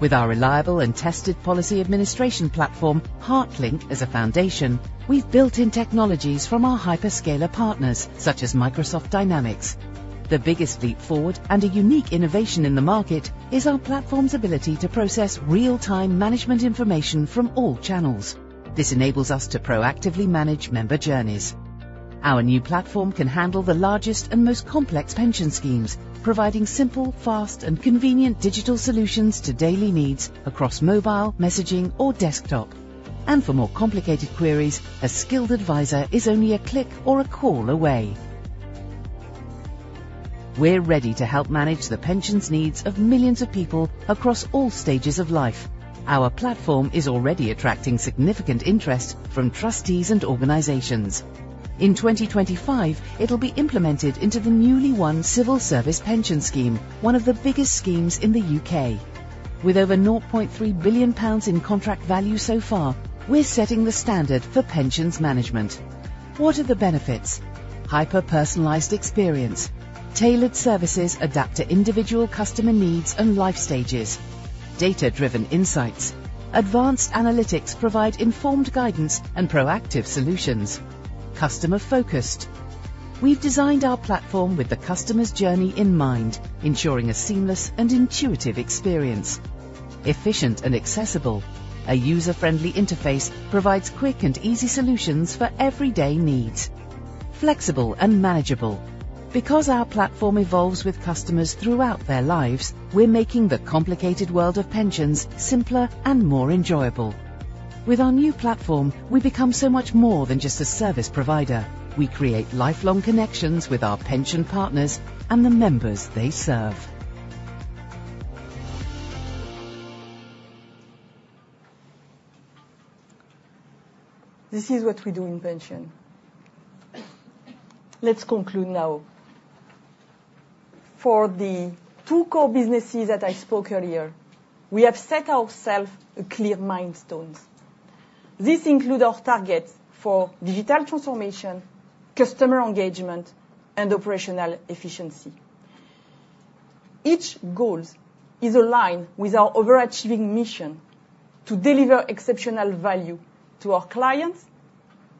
Speaker 4: With our reliable and tested policy administration platform, Hartlink, as a foundation, we've built in technologies from our hyperscaler partners, such as Microsoft Dynamics. The biggest leap forward and a unique innovation in the market is our platform's ability to process real-time management information from all channels. This enables us to proactively manage member journeys. Our new platform can handle the largest and most complex pension schemes, providing simple, fast and convenient digital solutions to daily needs across mobile, messaging or desktop. For more complicated queries, a skilled advisor is only a click or a call away. We're ready to help manage the pensions needs of millions of people across all stages of life. Our platform is already attracting significant interest from trustees and organizations. In 2025, it'll be implemented into the newly won Civil Service Pension Scheme, one of the biggest schemes in the UK. With over 0.3 billion pounds in contract value so far, we're setting the standard for pensions management. What are the benefits? Hyper-personalized experience. Tailored services adapt to individual customer needs and life stages. Data-driven insights. Advanced analytics provide informed guidance and proactive solutions. Customer focused. We've designed our platform with the customer's journey in mind, ensuring a seamless and intuitive experience. Efficient and accessible. A user-friendly interface provides quick and easy solutions for everyday needs. Flexible and manageable. Because our platform evolves with customers throughout their lives, we're making the complicated world of pensions simpler and more enjoyable. With our new platform, we become so much more than just a service provider. We create lifelong connections with our pension partners and the members they serve.
Speaker 7: This is what we do in pension. Let's conclude now. For the two core businesses that I spoke earlier, we have set ourselves a clear milestones. This include our targets for digital transformation, customer engagement, and operational efficiency. Each goals is aligned with our overachieving mission to deliver exceptional value to our clients,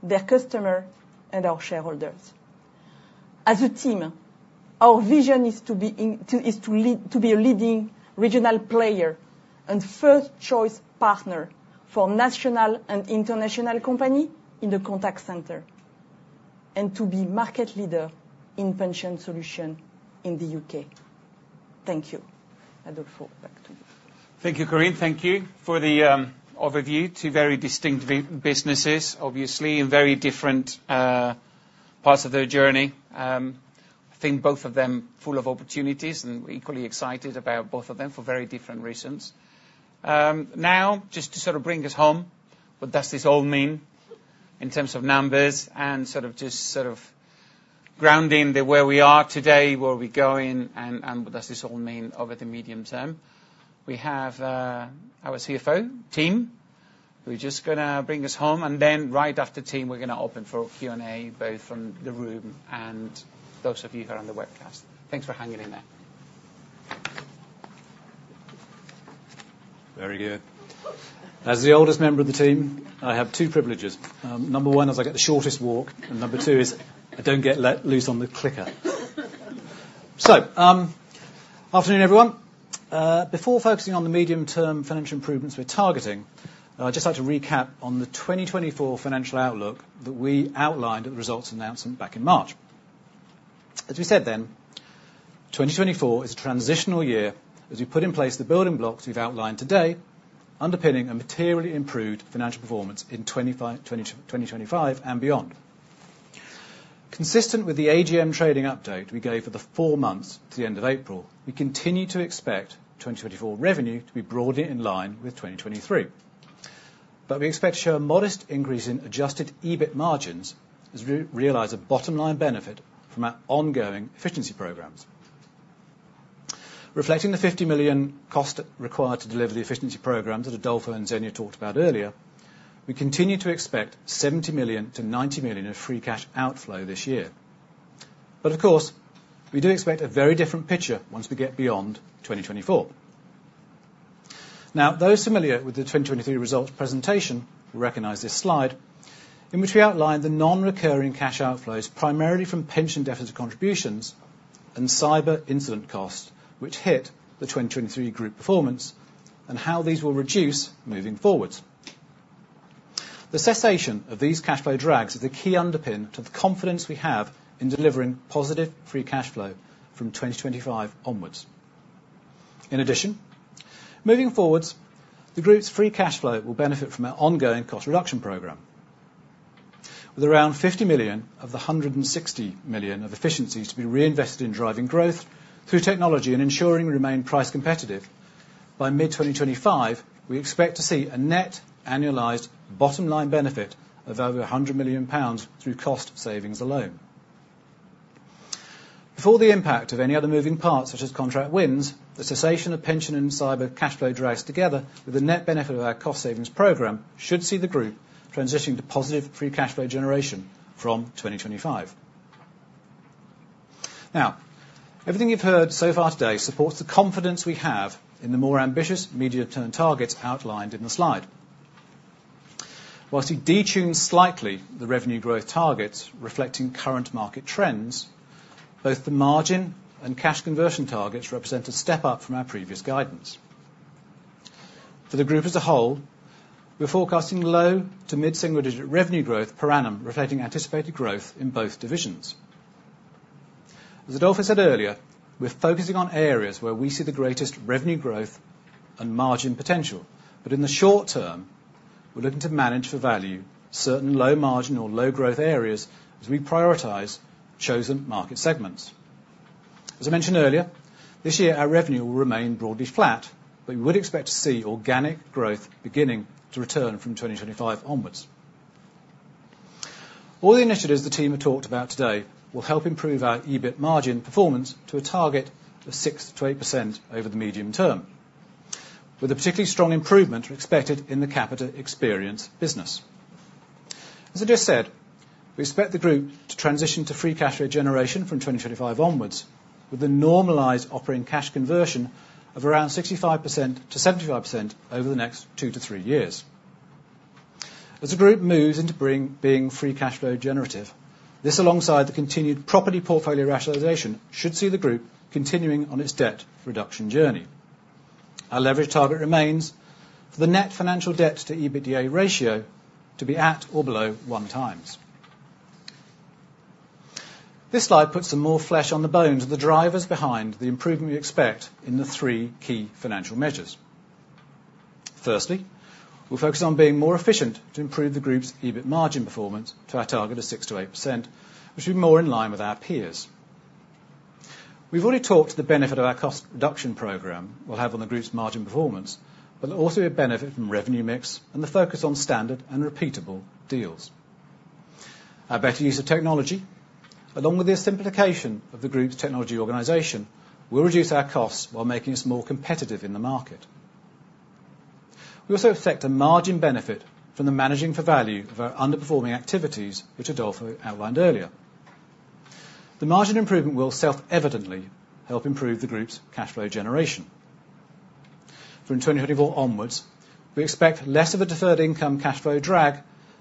Speaker 7: their customer, and our shareholders. As a team, our vision is to lead, to be a leading regional player and first choice partner for national and international company in the contact center, and to be market leader in pension solution in the UK. Thank you. Adolfo, back to you.
Speaker 1: Thank you, Corinne. Thank you for the overview. Two very distinct businesses, obviously, in very different parts of their journey. I think both of them full of opportunities, and we're equally excited about both of them for very different reasons. Now, just to sort of bring us home, what does this all mean in terms of numbers and sort of just grounding the where we are today, where we're going, and what does this all mean over the medium term? We have our CFO, Tim, who's just gonna bring us home, and then right after Tim, we're gonna open for Q&A, both from the room and those of you who are on the webcast. Thanks for hanging in there.
Speaker 8: Very good. As the oldest member of the team, I have two privileges. Number one is I get the shortest walk, and number two is I don't get let loose on the clicker. So, afternoon, everyone. Before focusing on the medium-term financial improvements we're targeting, I'd just like to recap on the 2024 financial outlook that we outlined at the results announcement back in March. As we said then, 2024 is a transitional year, as we put in place the building blocks we've outlined today, underpinning a materially improved financial performance in 2025 and beyond. Consistent with the AGM trading update we gave for the four months to the end of April, we continue to expect 2024 revenue to be broadly in line with 2023. But we expect to show a modest increase in adjusted EBIT margins, as we realize a bottom-line benefit from our ongoing efficiency programs. Reflecting the 50 million cost required to deliver the efficiency programs that Adolfo and Zenia talked about earlier, we continue to expect 70 million-90 million of free cash outflow this year. But of course, we do expect a very different picture once we get beyond 2024. Now, those familiar with the 2023 results presentation will recognize this slide, in which we outline the non-recurring cash outflows, primarily from pension deficit contributions and cyber incident costs, which hit the 2023 group performance, and how these will reduce moving forwards. The cessation of these cash flow drags is a key underpin to the confidence we have in delivering positive free cash flow from 2025 onwards. In addition, moving forward, the group's free cash flow will benefit from our ongoing cost reduction program. With around 50 million of the 160 million of efficiencies to be reinvested in driving growth through technology and ensuring we remain price competitive, by mid-2025, we expect to see a net annualized bottom-line benefit of over 100 million pounds through cost savings alone. Before the impact of any other moving parts, such as contract wins, the cessation of pension and cyber cash flow drags, together with the net benefit of our cost savings program, should see the group transitioning to positive free cash flow generation from 2025. Now, everything you've heard so far today supports the confidence we have in the more ambitious medium-term targets outlined in the slide. While we detuned slightly the revenue growth targets, reflecting current market trends, both the margin and cash conversion targets represent a step up from our previous guidance. For the group as a whole, we're forecasting low- to mid-single-digit revenue growth per annum, reflecting anticipated growth in both divisions. As Adolfo said earlier, we're focusing on areas where we see the greatest revenue growth and margin potential. But in the short term, we're looking to manage for value certain low margin or low growth areas as we prioritize chosen market segments. As I mentioned earlier, this year, our revenue will remain broadly flat, but we would expect to see organic growth beginning to return from 2025 onwards. All the initiatives the team have talked about today will help improve our EBIT margin performance to a target of 6%-8% over the medium term, with a particularly strong improvement expected in the Capita Experience business. As I just said, we expect the group to transition to free cash flow generation from 2025 onwards, with a normalized operating cash conversion of around 65%-75% over the next 2-3 years. As the group moves into being free cash flow generative, this, alongside the continued property portfolio rationalization, should see the group continuing on its debt reduction journey. Our leverage target remains for the net financial debt to EBITDA ratio to be at or below 1x. This slide puts some more flesh on the bones of the drivers behind the improvement we expect in the three key financial measures. Firstly, we'll focus on being more efficient to improve the group's EBIT margin performance to our target of 6%-8%, which is more in line with our peers. We've already talked the benefit of our cost reduction program will have on the group's margin performance, but also a benefit from revenue mix and the focus on standard and repeatable deals. Our better use of technology, along with the simplification of the group's technology organization, will reduce our costs while making us more competitive in the market. We also expect a margin benefit from the managing for value of our underperforming activities, which Adolfo outlined earlier. The margin improvement will self-evidently help improve the group's cash flow generation. For in 2024 onwards, we expect less of a deferred income cash flow drag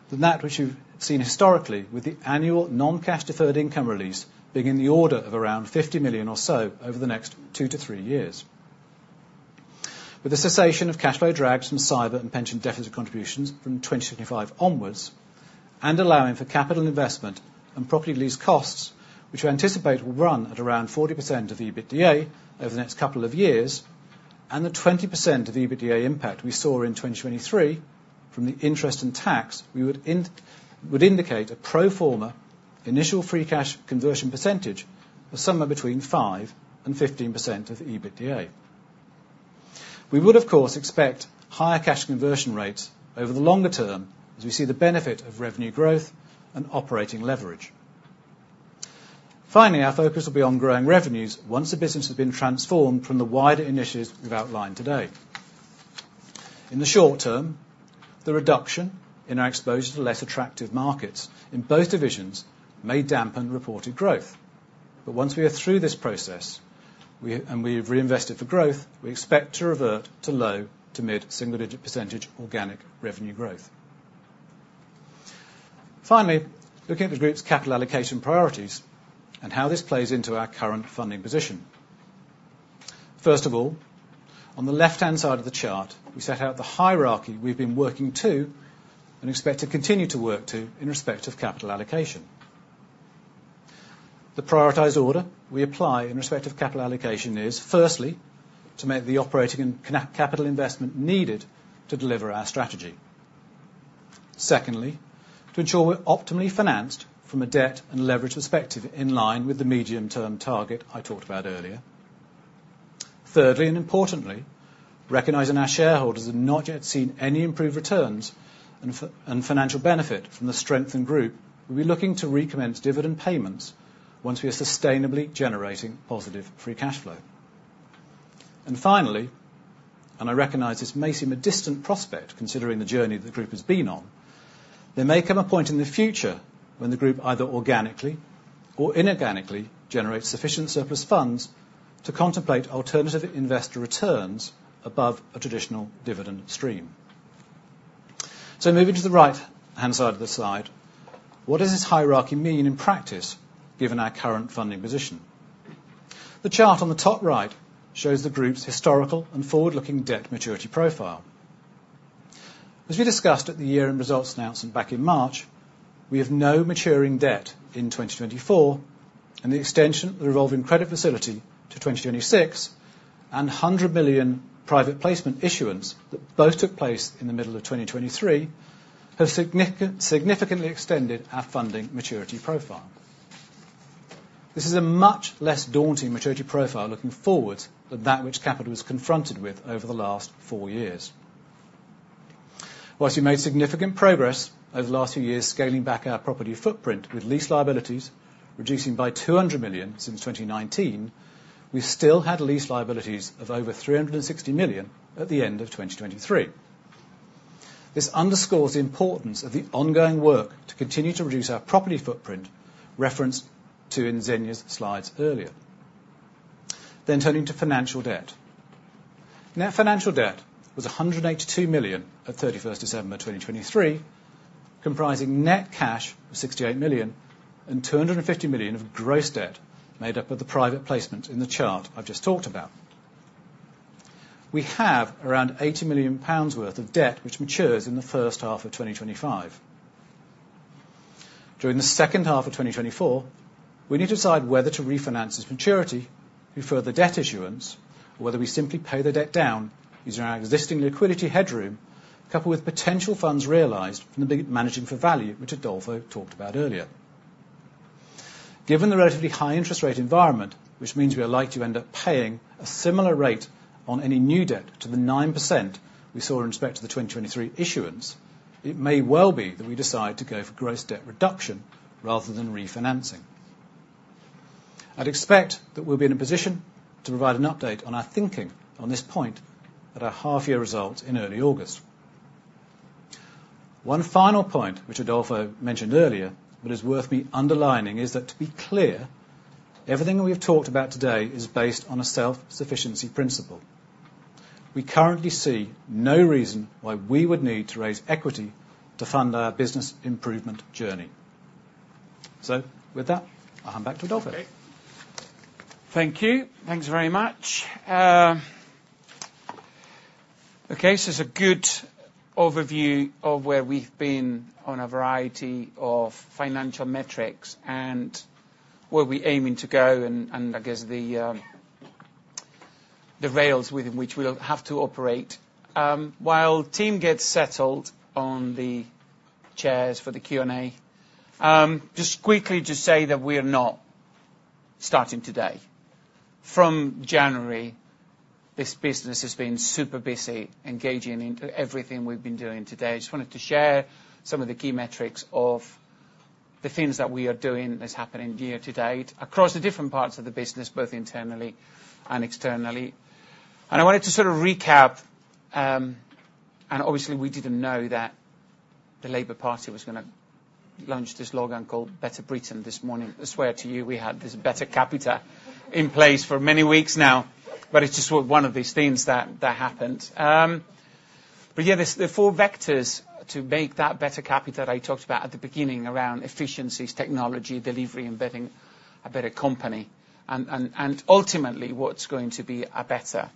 Speaker 8: than that which you've seen historically, with the annual non-cash deferred income release being in the order of around 50 million or so over the next 2-3 years. With the cessation of cash flow drags from cyber and pension deficit contributions from 2025 onwards, and allowing for capital investment and property lease costs, which we anticipate will run at around 40% of the EBITDA over the next couple of years, and the 20% of the EBITDA impact we saw in 2023 from the interest and tax, we would indicate a pro forma initial free cash conversion percentage of somewhere between 5%-15% of EBITDA. We would, of course, expect higher cash conversion rates over the longer term as we see the benefit of revenue growth and operating leverage. Finally, our focus will be on growing revenues once the business has been transformed from the wider initiatives we've outlined today. In the short term, the reduction in our exposure to less attractive markets in both divisions may dampen reported growth. But once we are through this process, we, and we've reinvested for growth, we expect to revert to low- to mid-single-digit % organic revenue growth. Finally, looking at the group's capital allocation priorities and how this plays into our current funding position. First of all, on the left-hand side of the chart, we set out the hierarchy we've been working to and expect to continue to work to in respect of capital allocation. The prioritized order we apply in respect of capital allocation is, firstly, to make the operating and capital investment needed to deliver our strategy. Secondly, to ensure we're optimally financed from a debt and leverage perspective, in line with the medium-term target I talked about earlier. Thirdly, and importantly, recognizing our shareholders have not yet seen any improved returns and financial benefit from the strengthened group, we'll be looking to recommence dividend payments once we are sustainably generating positive free cash flow.... And finally, and I recognize this may seem a distant prospect, considering the journey the group has been on, there may come a point in the future when the group, either organically or inorganically, generates sufficient surplus funds to contemplate alternative investor returns above a traditional dividend stream. So moving to the right-hand side of the slide, what does this hierarchy mean in practice, given our current funding position? The chart on the top right shows the group's historical and forward-looking debt maturity profile. As we discussed at the year-end results announcement back in March, we have no maturing debt in 2024, and the extension of the revolving credit facility to 2026, and 100 million private placement issuance that both took place in the middle of 2023, have significantly extended our funding maturity profile. This is a much less daunting maturity profile looking forward than that which Capita was confronted with over the last 4 years. While we made significant progress over the last few years, scaling back our property footprint, with lease liabilities reducing by 200 million since 2019, we still had lease liabilities of over 360 million at the end of 2023. This underscores the importance of the ongoing work to continue to reduce our property footprint, referenced to in Zenia's slides earlier. Then turning to financial debt. Net financial debt was 182 million at December 31, 2023, comprising net cash of 68 million and 250 million of gross debt, made up of the private placement in the chart I've just talked about. We have around 80 million pounds worth of debt, which matures in the first half of 2025. During the second half of 2024, we need to decide whether to refinance this maturity through further debt issuance, or whether we simply pay the debt down using our existing liquidity headroom, coupled with potential funds realized from the big managing for value, which Adolfo talked about earlier. Given the relatively high interest rate environment, which means we are likely to end up paying a similar rate on any new debt to the 9% we saw in respect to the 2023 issuance, it may well be that we decide to go for gross debt reduction rather than refinancing. I'd expect that we'll be in a position to provide an update on our thinking on this point at our half-year results in early August. One final point, which Adolfo mentioned earlier, but is worth me underlining, is that, to be clear, everything we've talked about today is based on a self-sufficiency principle. We currently see no reason why we would need to raise equity to fund our business improvement journey. So with that, I'll hand back to Adolfo.
Speaker 1: Okay. Thank you. Thanks very much. Okay, so it's a good overview of where we've been on a variety of financial metrics and where we're aiming to go, and, and I guess the, the rails within which we'll have to operate. While team gets settled on the chairs for the Q&A, just quickly to say that we are not starting today. From January, this business has been super busy engaging into everything we've been doing today. Just wanted to share some of the key metrics of the things that we are doing that's happening year to date, across the different parts of the business, both internally and externally. I wanted to sort of recap, and obviously, we didn't know that the Labour Party was gonna launch this slogan called Better Britain this morning. I swear to you, we had this Better Capita in place for many weeks now, but it's just one of these things that happened. But yeah, there's the four vectors to make that Better Capita I talked about at the beginning, around efficiencies, technology, delivery, and building a better company. And ultimately, what's going to be a better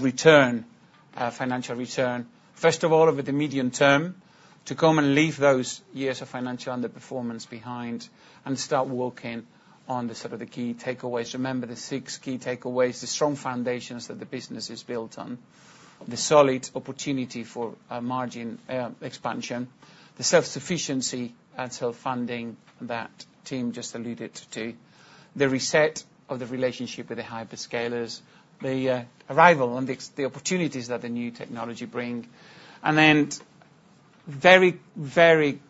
Speaker 1: return, financial return, first of all, over the medium term, to come and leave those years of financial underperformance behind and start working on the sort of the key takeaways. Remember, the six key takeaways, the strong foundations that the business is built on, the solid opportunity for margin expansion, the self-sufficiency and self-funding that team just alluded to, the reset of the relationship with the hyperscalers, the arrival and the opportunities that the new technology bring, and then very, very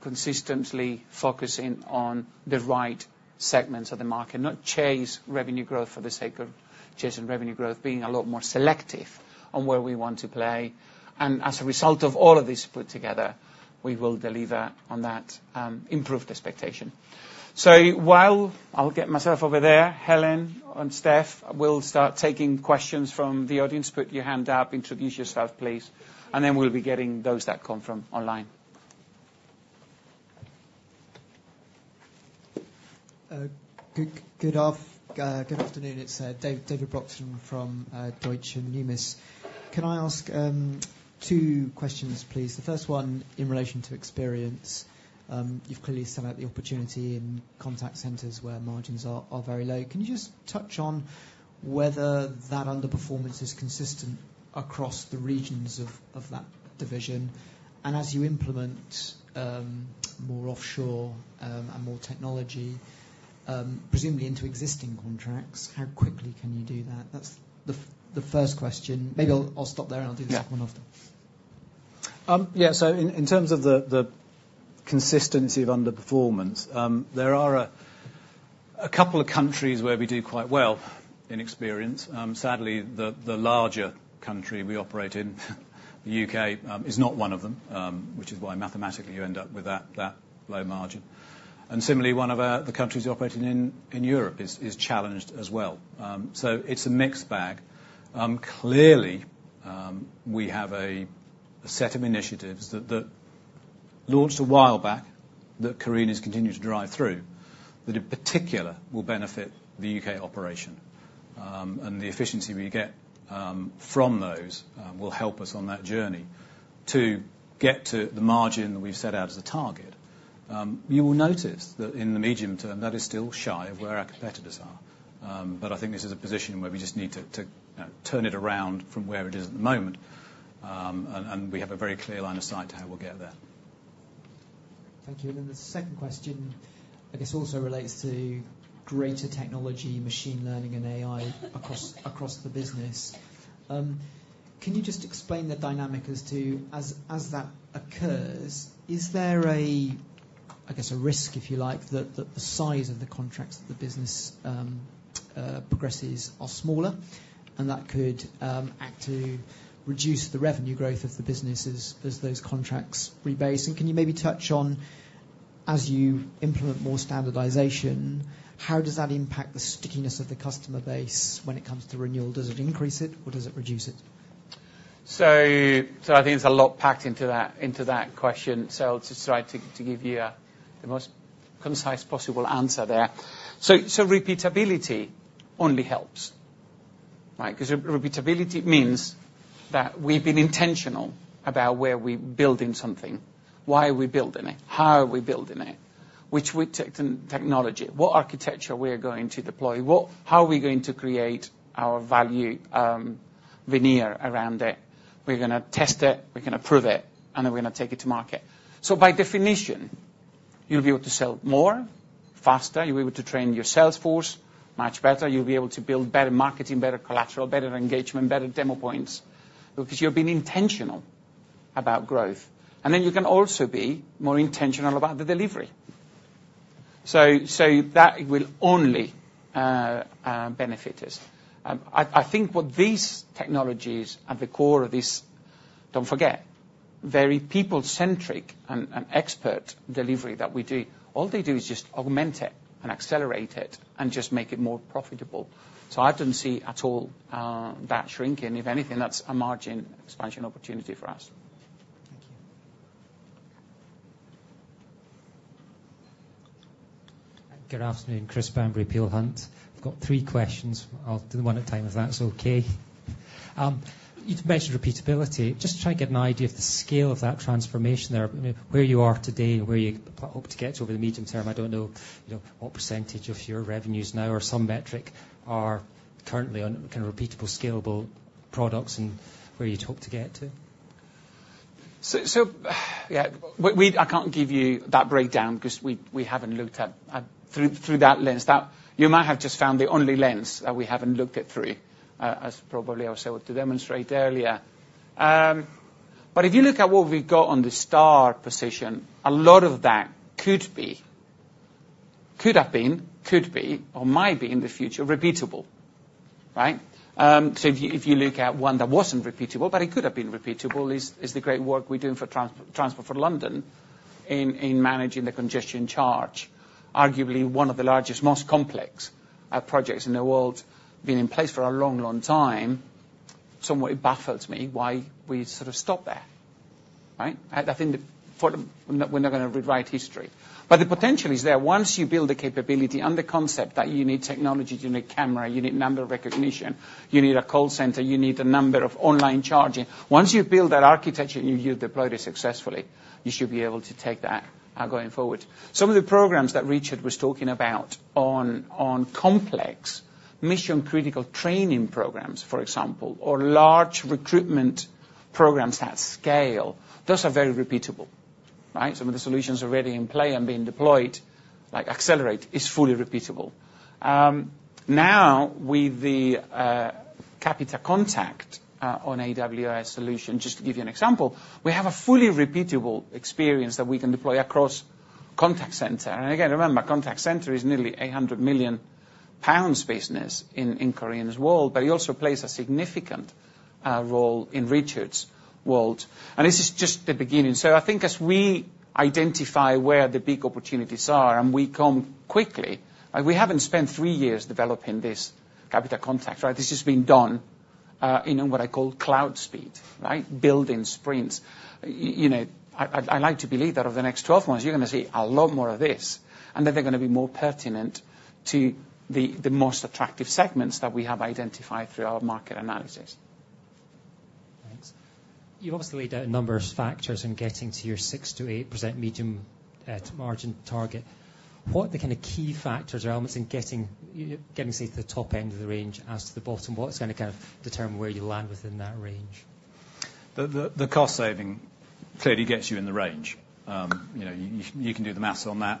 Speaker 1: consistently focusing on the right segments of the market, not chase revenue growth for the sake of chasing revenue growth, being a lot more selective on where we want to play. As a result of all of this put together, we will deliver on that improved expectation. So while I'll get myself over there, Helen and Steph will start taking questions from the audience. Put your hand up, introduce yourself, please, and then we'll be getting those that come from online.
Speaker 9: Good afternoon. It's David Broxton from Deutsche Numis. Can I ask two questions, please? The first one in relation to experience. You've clearly set out the opportunity in contact centers where margins are very low. Can you just touch on whether that underperformance is consistent across the regions of that division? And as you implement more offshore and more technology, presumably into existing contracts, how quickly can you do that? That's the first question. Maybe I'll stop there, and I'll do the second one after.
Speaker 8: Yeah, so in terms of the consistency of underperformance, there are a couple of countries where we do quite well in experience. Sadly, the larger country we operate in, the UK, is not one of them, which is why mathematically, you end up with that low margin. And similarly, one of our, the countries we operating in, in Europe is challenged as well. So it's a mixed bag. Clearly, we have a set of initiatives that launched a while back, that Corinne's continued to drive through, that in particular, will benefit the UK operation. And the efficiency we get from those will help us on that journey to get to the margin that we've set out as a target. You will notice that in the medium term, that is still shy of where our competitors are. But I think this is a position where we just need to turn it around from where it is at the moment. And we have a very clear line of sight to how we'll get there.
Speaker 9: Thank you. And then the second question, I guess, also relates to greater technology, machine learning, and AI across the business. Can you just explain the dynamic as to that occurs? Is there a risk, if you like, that the size of the contracts that the business progresses are smaller, and that could act to reduce the revenue growth of the business as those contracts rebase? And can you maybe touch on, as you implement more standardization, how does that impact the stickiness of the customer base when it comes to renewal? Does it increase it, or does it reduce it?
Speaker 1: So I think there's a lot packed into that question. So I'll just try to give you the most concise possible answer there. So repeatability only helps, right? 'Cause repeatability means that we've been intentional about where we're building something, why are we building it? How are we building it? Which technology, what architecture we are going to deploy? What-- How are we going to create our value veneer around it? We're gonna test it, we're gonna prove it, and then we're gonna take it to market. So by definition, you'll be able to sell more, faster. You'll be able to train your sales force much better. You'll be able to build better marketing, better collateral, better engagement, better demo points, because you're being intentional about growth. And then you can also be more intentional about the delivery. So, that will only benefit us. I think what these technologies at the core of this... Don't forget, very people-centric and expert delivery that we do, all they do is just augment it and accelerate it, and just make it more profitable. So I didn't see at all that shrinking. If anything, that's a margin expansion opportunity for us.
Speaker 9: Thank you.
Speaker 10: Good afternoon, Chris Bambury, Peel Hunt. I've got three questions. I'll do one at a time, if that's okay. You'd mentioned repeatability. Just to try and get an idea of the scale of that transformation there, where you are today and where you hope to get to over the medium term. I don't know, you know, what percentage of your revenues now or some metric are currently on kind of repeatable, scalable products and where you'd hope to get to.
Speaker 1: Yeah, we-- I can't give you that breakdown because we haven't looked at through that lens. That-- You might have just found the only lens that we haven't looked at through, as probably I was able to demonstrate earlier. But if you look at what we've got on the Star position, a lot of that could be, could have been, could be, or might be in the future, repeatable, right? So if you look at one that wasn't repeatable, but it could have been repeatable, is the great work we're doing for Transport for London in managing the congestion charge. Arguably, one of the largest, most complex projects in the world, been in place for a long, long time. Somewhat it baffles me why we sort of stopped there, right? I think the... for the... We're not gonna rewrite history. But the potential is there. Once you build the capability and the concept that you need technology, you need camera, you need number recognition, you need a call center, you need a number of online charging. Once you build that architecture, and you deploy it successfully, you should be able to take that going forward. Some of the programs that Richard was talking about on complex, mission-critical training programs, for example, or large recruitment programs at scale, those are very repeatable, right? Some of the solutions are already in play and being deployed, like Accelerate is fully repeatable. Now, with the Capita Contact on AWS solution, just to give you an example, we have a fully repeatable experience that we can deploy across contact center. And again, remember, contact center is nearly 100 million pounds business in, in Carina's world, but it also plays a significant role in Richard's world. This is just the beginning. So I think as we identify where the big opportunities are, and we come quickly, we haven't spent 3 years developing this Capita Contact, right? This has been done in what I call cloud speed, right? Building sprints. You know, I, I'd like to believe that over the next 12 months, you're gonna see a lot more of this, and that they're gonna be more pertinent to the, the most attractive segments that we have identified through our market analysis.
Speaker 10: Thanks. You obviously laid out a number of factors in getting to your 6%-8% medium-term margin target. What are the kind of key factors or elements in getting, say, to the top end of the range as to the bottom? What's gonna kind of determine where you land within that range?
Speaker 8: The cost saving clearly gets you in the range. You know, you can do the math on that.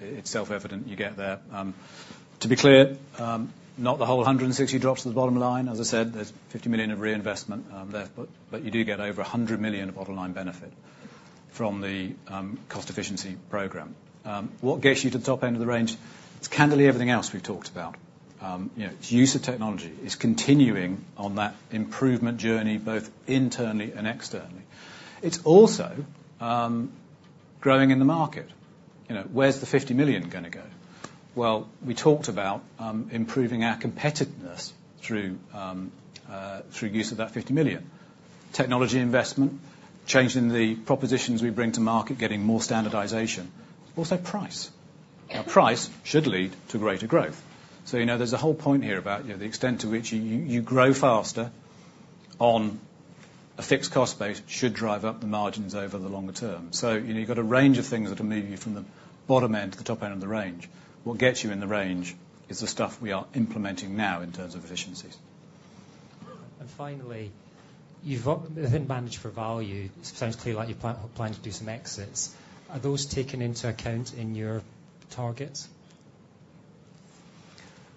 Speaker 8: It's self-evident, you get there. To be clear, not the whole 160 drops to the bottom line. As I said, there's 50 million of reinvestment there, but you do get over 100 million of bottom line benefit from the cost efficiency program. What gets you to the top end of the range? It's candidly everything else we've talked about. You know, it's use of technology. It's continuing on that improvement journey, both internally and externally. It's also growing in the market. You know, where's the 50 million gonna go? Well, we talked about improving our competitiveness through use of that 50 million. Technology investment, changing the propositions we bring to market, getting more standardization. Also, price. Now, price should lead to greater growth. So, you know, there's a whole point here about, you know, the extent to which you grow faster on a fixed cost base should drive up the margins over the longer term. So, you know, you've got a range of things that are moving you from the bottom end to the top end of the range. What gets you in the range is the stuff we are implementing now in terms of efficiencies.
Speaker 10: Finally, you operate within managed for value. It sounds to me like you're planning to do some exits. Are those taken into account in your targets?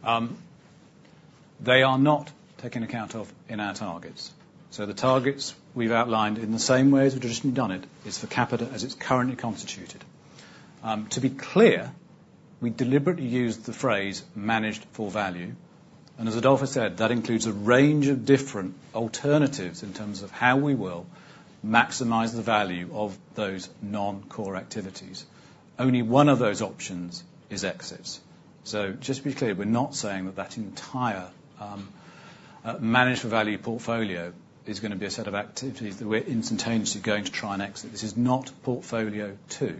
Speaker 8: They are not taken account of in our targets. So the targets we've outlined, in the same way as we've just done it, is for Capita as it's currently constituted. To be clear, we deliberately used the phrase managed for value, and as Adolfo said, that includes a range of different alternatives in terms of how we will maximize the value of those non-core activities. Only one of those options is exits. So just to be clear, we're not saying that that entire, managed for value portfolio is gonna be a set of activities that we're instantaneously going to try and exit. This is not Portfolio two,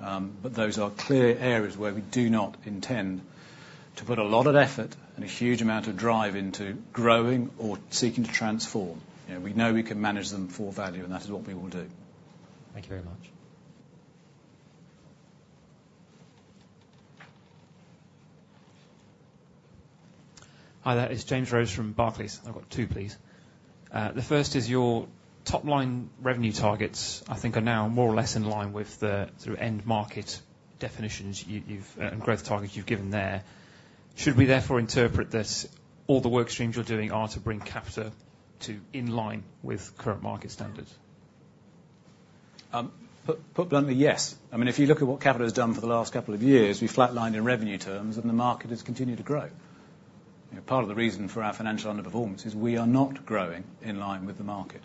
Speaker 8: but those are clear areas where we do not intend to put a lot of effort and a huge amount of drive into growing or seeking to transform. You know, we know we can manage them for value, and that is what we will do.
Speaker 10: Thank you very much.
Speaker 11: Hi there, it's James Rose from Barclays. I've got two, please. The first is your top line revenue targets, I think, are now more or less in line with the sort of end market definitions you and growth targets you've given there. Should we therefore interpret that all the work streams you're doing are to bring Capita to in line with current market standards?
Speaker 8: Put bluntly, yes. I mean, if you look at what Capita has done for the last couple of years, we've flatlined in revenue terms, and the market has continued to grow. You know, part of the reason for our financial underperformance is we are not growing in line with the market.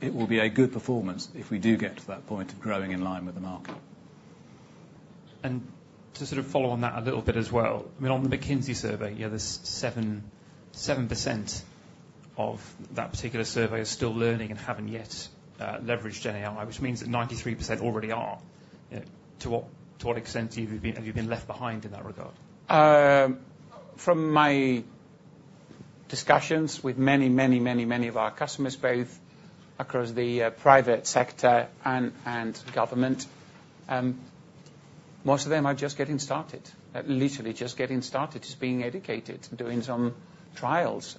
Speaker 8: It will be a good performance if we do get to that point of growing in line with the market.
Speaker 11: To sort of follow on that a little bit as well, I mean, on the McKinsey survey, you know, there's 7% of that particular survey are still learning and haven't yet leveraged any AI, which means that 93% already are. To what extent have you been left behind in that regard?
Speaker 1: From my discussions with many, many, many, many of our customers, both across the private sector and government, most of them are just getting started. Literally, just getting started, just being educated and doing some trials.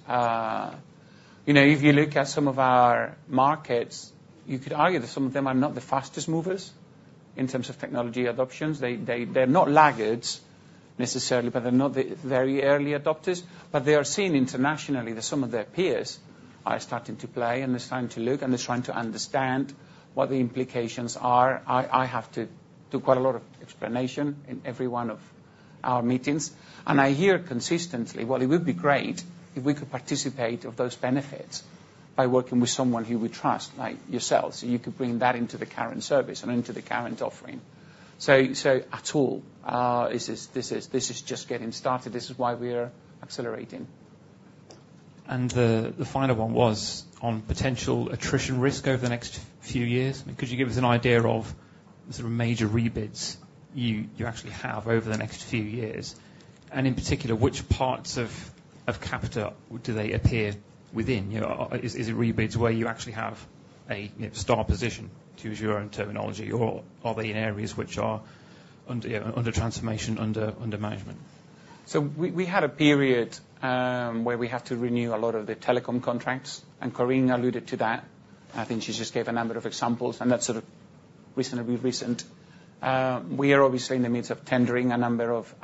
Speaker 1: You know, if you look at some of our markets, you could argue that some of them are not the fastest movers in terms of technology adoptions. They're not laggards necessarily, but they're not the very early adopters. But they are seeing internationally that some of their peers are starting to play and are starting to look, and they're trying to understand what the implications are. I have to do quite a lot of explanation in every one of our meetings, and I hear consistently, "Well, it would be great if we could participate of those benefits by working with someone who we trust, like yourselves, so you could bring that into the current service and into the current offering." So at all, this is just getting started. This is why we are accelerating.
Speaker 11: The final one was on potential attrition risk over the next few years. Could you give us an idea of the sort of major rebids you actually have over the next few years? And in particular, which parts of Capita do they appear within? You know, is it rebids where you actually have a star position, to use your own terminology, or are they in areas which are under transformation, under management?
Speaker 1: So we had a period where we had to renew a lot of the telecom contracts, and Corinne alluded to that. I think she just gave a number of examples, and that's sort of recent. We are obviously in the midst of tendering a number of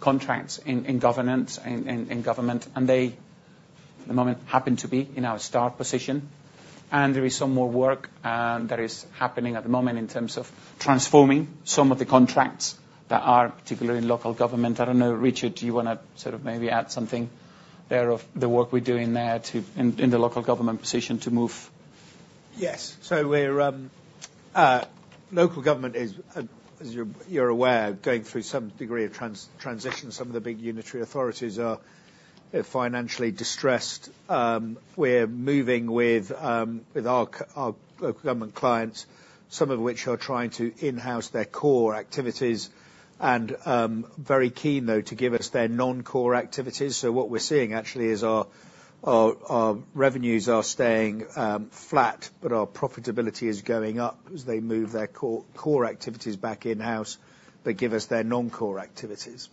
Speaker 1: contracts in government, and they, at the moment, happen to be in our strong position. And there is some more work that is happening at the moment in terms of transforming some of the contracts that are particularly in local government. I don't know, Richard, do you wanna sort of maybe add something there of the work we're doing there to... in the local government position to move?
Speaker 8: Yes. So we're local government is, as you're aware, going through some degree of transition. Some of the big unitary authorities are financially distressed. We're moving with our government clients, some of which are trying to in-house their core activities, and very keen, though, to give us their non-core activities. So what we're seeing actually is our revenues are staying flat, but our profitability is going up as they move their core activities back in-house, but give us their non-core activities....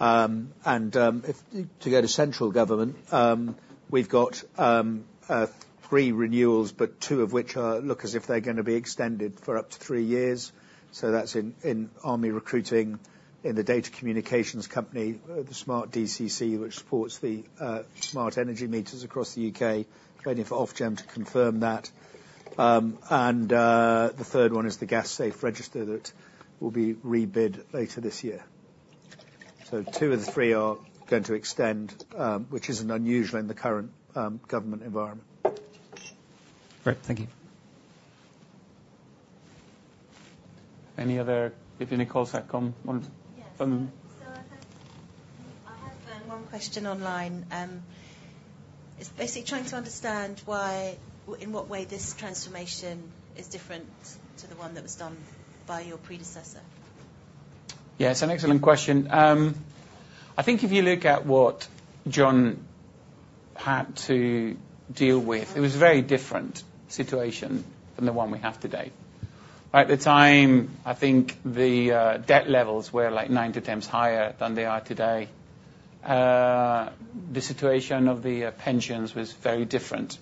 Speaker 6: and if to go to central government, we've got three renewals, but two of which are, look as if they're gonna be extended for up to three years. So that's in army recruiting, in the Data Communications Company, the Smart DCC, which supports the smart energy meters across the UK, waiting for Ofgem to confirm that. And the third one is the Gas Safe Register that will be rebid later this year. So two of the three are going to extend, which isn't unusual in the current government environment. Great. Thank you.
Speaker 1: Any other, maybe Nicole want-
Speaker 12: Yes. So I have one question online. It's basically trying to understand why, or in what way this transformation is different to the one that was done by your predecessor?
Speaker 1: Yes, an excellent question. I think if you look at what John had to deal with, it was a very different situation than the one we have today. At the time, I think the debt levels were like 90 times higher than they are today. The situation of the pensions was very different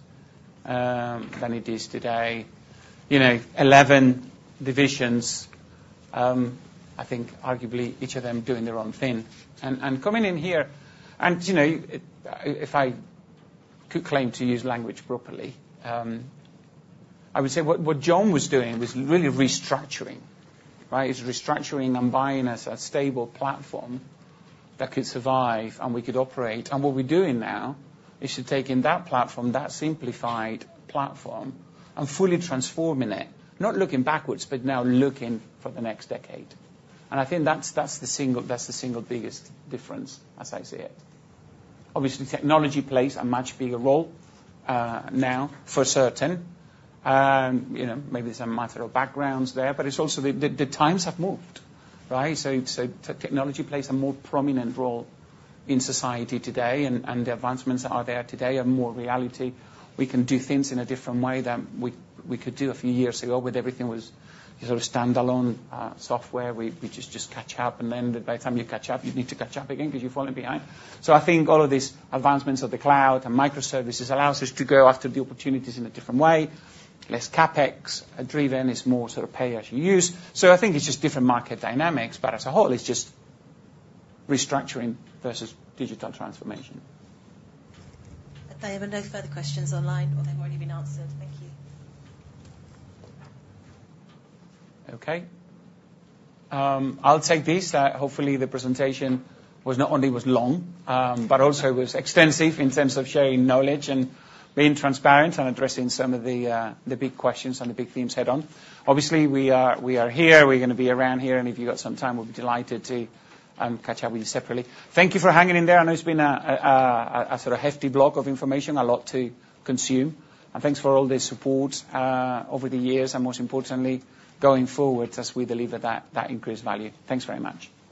Speaker 1: than it is today. You know, 11 divisions, I think arguably each of them doing their own thing. And coming in here, and, you know, if I could claim to use language properly, I would say what John was doing was really restructuring, right? He was restructuring and buying us a stable platform that could survive, and we could operate. What we're doing now is to take in that platform, that simplified platform, and fully transforming it, not looking backwards, but now looking for the next decade. I think that's, that's the single biggest difference as I see it. Obviously, technology plays a much bigger role, now, for certain. You know, maybe it's a matter of backgrounds there, but it's also the, the times have moved, right? So technology plays a more prominent role in society today, and the advancements that are there today are more reality. We can do things in a different way than we could do a few years ago, where everything was sort of standalone software. We just catch up, and then by the time you catch up, you need to catch up again because you're falling behind. I think all of these advancements of the cloud and microservices allows us to go after the opportunities in a different way, less CapEx driven, is more sort of pay as you use. I think it's just different market dynamics, but as a whole, it's just restructuring versus digital transformation.
Speaker 12: There are no further questions online, or they've already been answered. Thank you.
Speaker 1: Okay, I'll take this. Hopefully, the presentation was not only was long, but also was extensive in terms of sharing knowledge and being transparent and addressing some of the big questions and the big themes head-on. Obviously, we are here, we're gonna be around here, and if you got some time, we'll be delighted to catch up with you separately. Thank you for hanging in there. I know it's been a sort of hefty block of information, a lot to consume. And thanks for all the support over the years, and most importantly, going forward, as we deliver that increased value. Thanks very much.